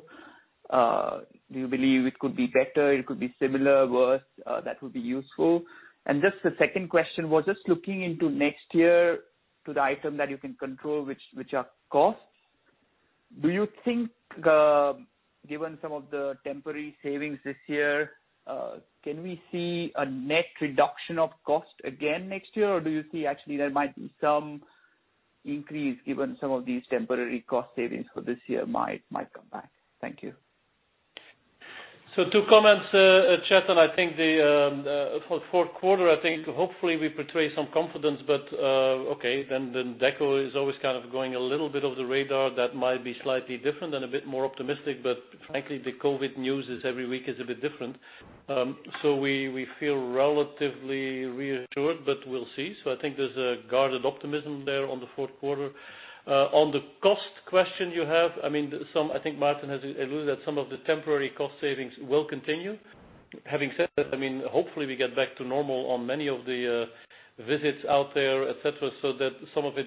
Do you believe it could be better, it could be similar, worse? That would be useful. Just the second question was just looking into next year to the item that you can control, which are costs. Do you think, given some of the temporary savings this year, can we see a net reduction of cost again next year? Do you see actually there might be some increase given some of these temporary cost savings for this year might come back? Thank you. Two comments, Chetan. For the fourth quarter, I think hopefully we portray some confidence, but okay, then Deco is always kind of going a little bit off the radar. That might be slightly different and a bit more optimistic, frankly, the COVID news is every week is a bit different. We feel relatively reassured, but we'll see. I think there's a guarded optimism there on the fourth quarter. On the cost question you have, I think Maarten has alluded that some of the temporary cost savings will continue. Having said that, hopefully we get back to normal on many of the visits out there, et cetera, so that some of it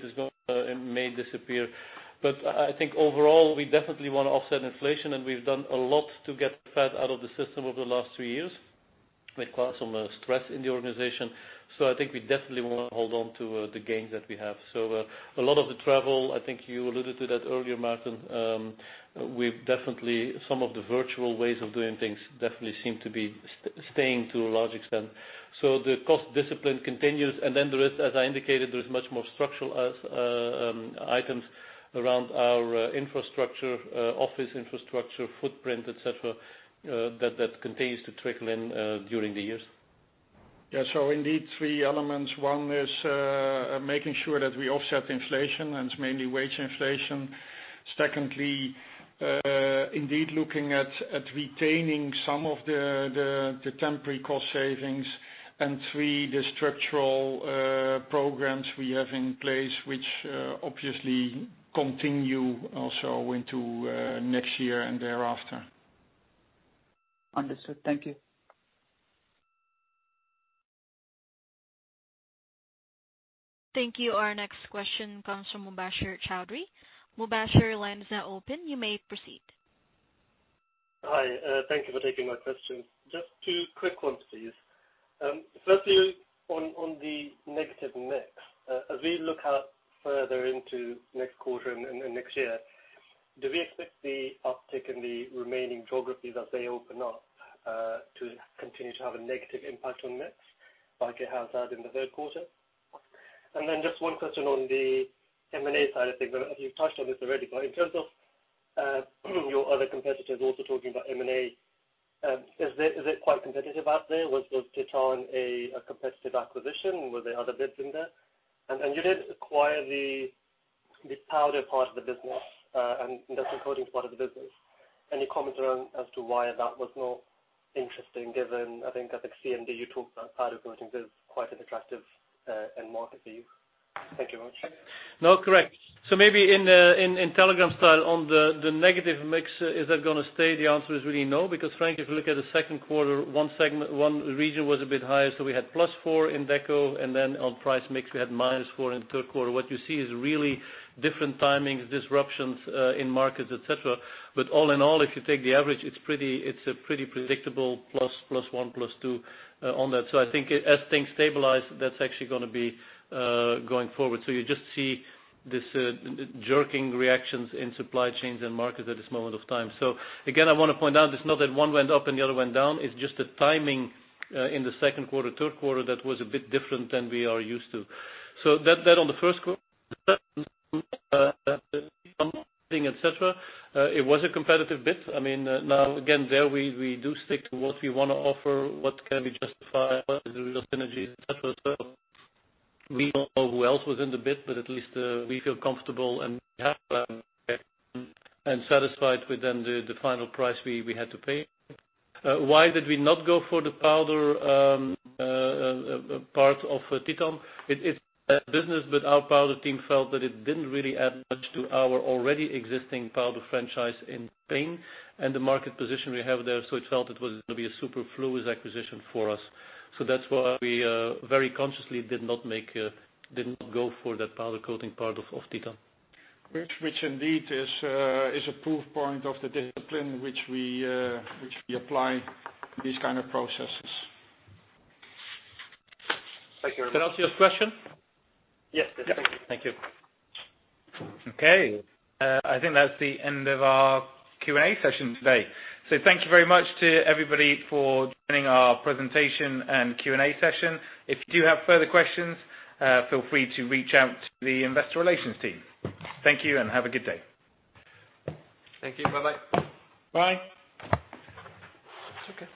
may disappear. I think overall, we definitely want to offset inflation, and we've done a lot to get fat out of the system over the last two years, which caused some stress in the organization. I think we definitely want to hold on to the gains that we have. A lot of the travel, I think you alluded to that earlier, Maarten, definitely some of the virtual ways of doing things definitely seem to be staying to a large extent. The cost discipline continues. As I indicated, there is much more structural items around our infrastructure, office infrastructure, footprint, et cetera, that continues to trickle in during the years. Yeah. Indeed, three elements. One is making sure that we offset inflation, and it's mainly wage inflation. Secondly, indeed looking at retaining some of the temporary cost savings. Three, the structural programs we have in place, which obviously continue also into next year and thereafter. Understood. Thank you. Thank you. Our next question comes from Mubasher Chaudhry. Mubasher, your line is now open. You may proceed. Hi. Thank you for taking my questions. Just two quick ones, please. Firstly, on the negative mix, as we look out further into next quarter and next year, do we expect the uptick in the remaining geographies as they open up to continue to have a negative impact on mix like it has had in the third quarter? Then just one question on the M&A side of things. In terms of your other competitors also talking about M&A, is it quite competitive out there? Was Titan a competitive acquisition? Were there other bids in there? You didn't acquire the Powder Coatings part of the business and Powder Coatings part of the business. Any comments around as to why that was not interesting given, I think at the CMD, you talked about Powder Coatings is quite an attractive end market for you. Thank you very much. No, correct. Maybe in telegram style on the negative mix, is that going to stay? The answer is really no, because frankly, if you look at the second quarter, one region was a bit higher, so we had plus four in Deco, and then on price mix, we had minus four in the third quarter. What you see is really different timings, disruptions in markets, et cetera. All in all, if you take the average, it's pretty predictable, plus one, plus two on that. I think as things stabilize, that's actually going to be going forward. You just see these jerking reactions in supply chains and markets at this moment of time. Again, I want to point out it's not that one went up and the other went down. It's just the timing in the second quarter, third quarter that was a bit different than we are used to. That on the first *audio distortion* et cetera. It was a competitive bid. Again, there we do stick to what we want to offer, what can we justify, what is the real synergy, et cetera as well. We don't know who else was in the bid, at least we feel comfortable and satisfied with then the final price we had to pay. Why did we not go for the powder part of Titan? It's a business, our powder team felt that it didn't really add much to our already existing powder franchise in Spain and the market position we have there. It felt it was going to be a superfluous acquisition for us. That's why we very consciously did not go for that powder coating part of Titan. Which indeed is a proof point of the discipline which we apply these kind of processes. Thank you very much. Does that answer your question? Yes. Yes. Thank you. Thank you. Okay. I think that's the end of our Q&A session today. Thank you very much to everybody for joining our presentation and Q&A session. If you do have further questions, feel free to reach out to the investor relations team. Thank you, and have a good day. Thank you. Bye-bye. Bye. It's okay.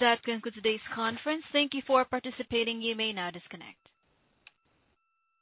That concludes today's conference. Thank you for participating. You may now disconnect.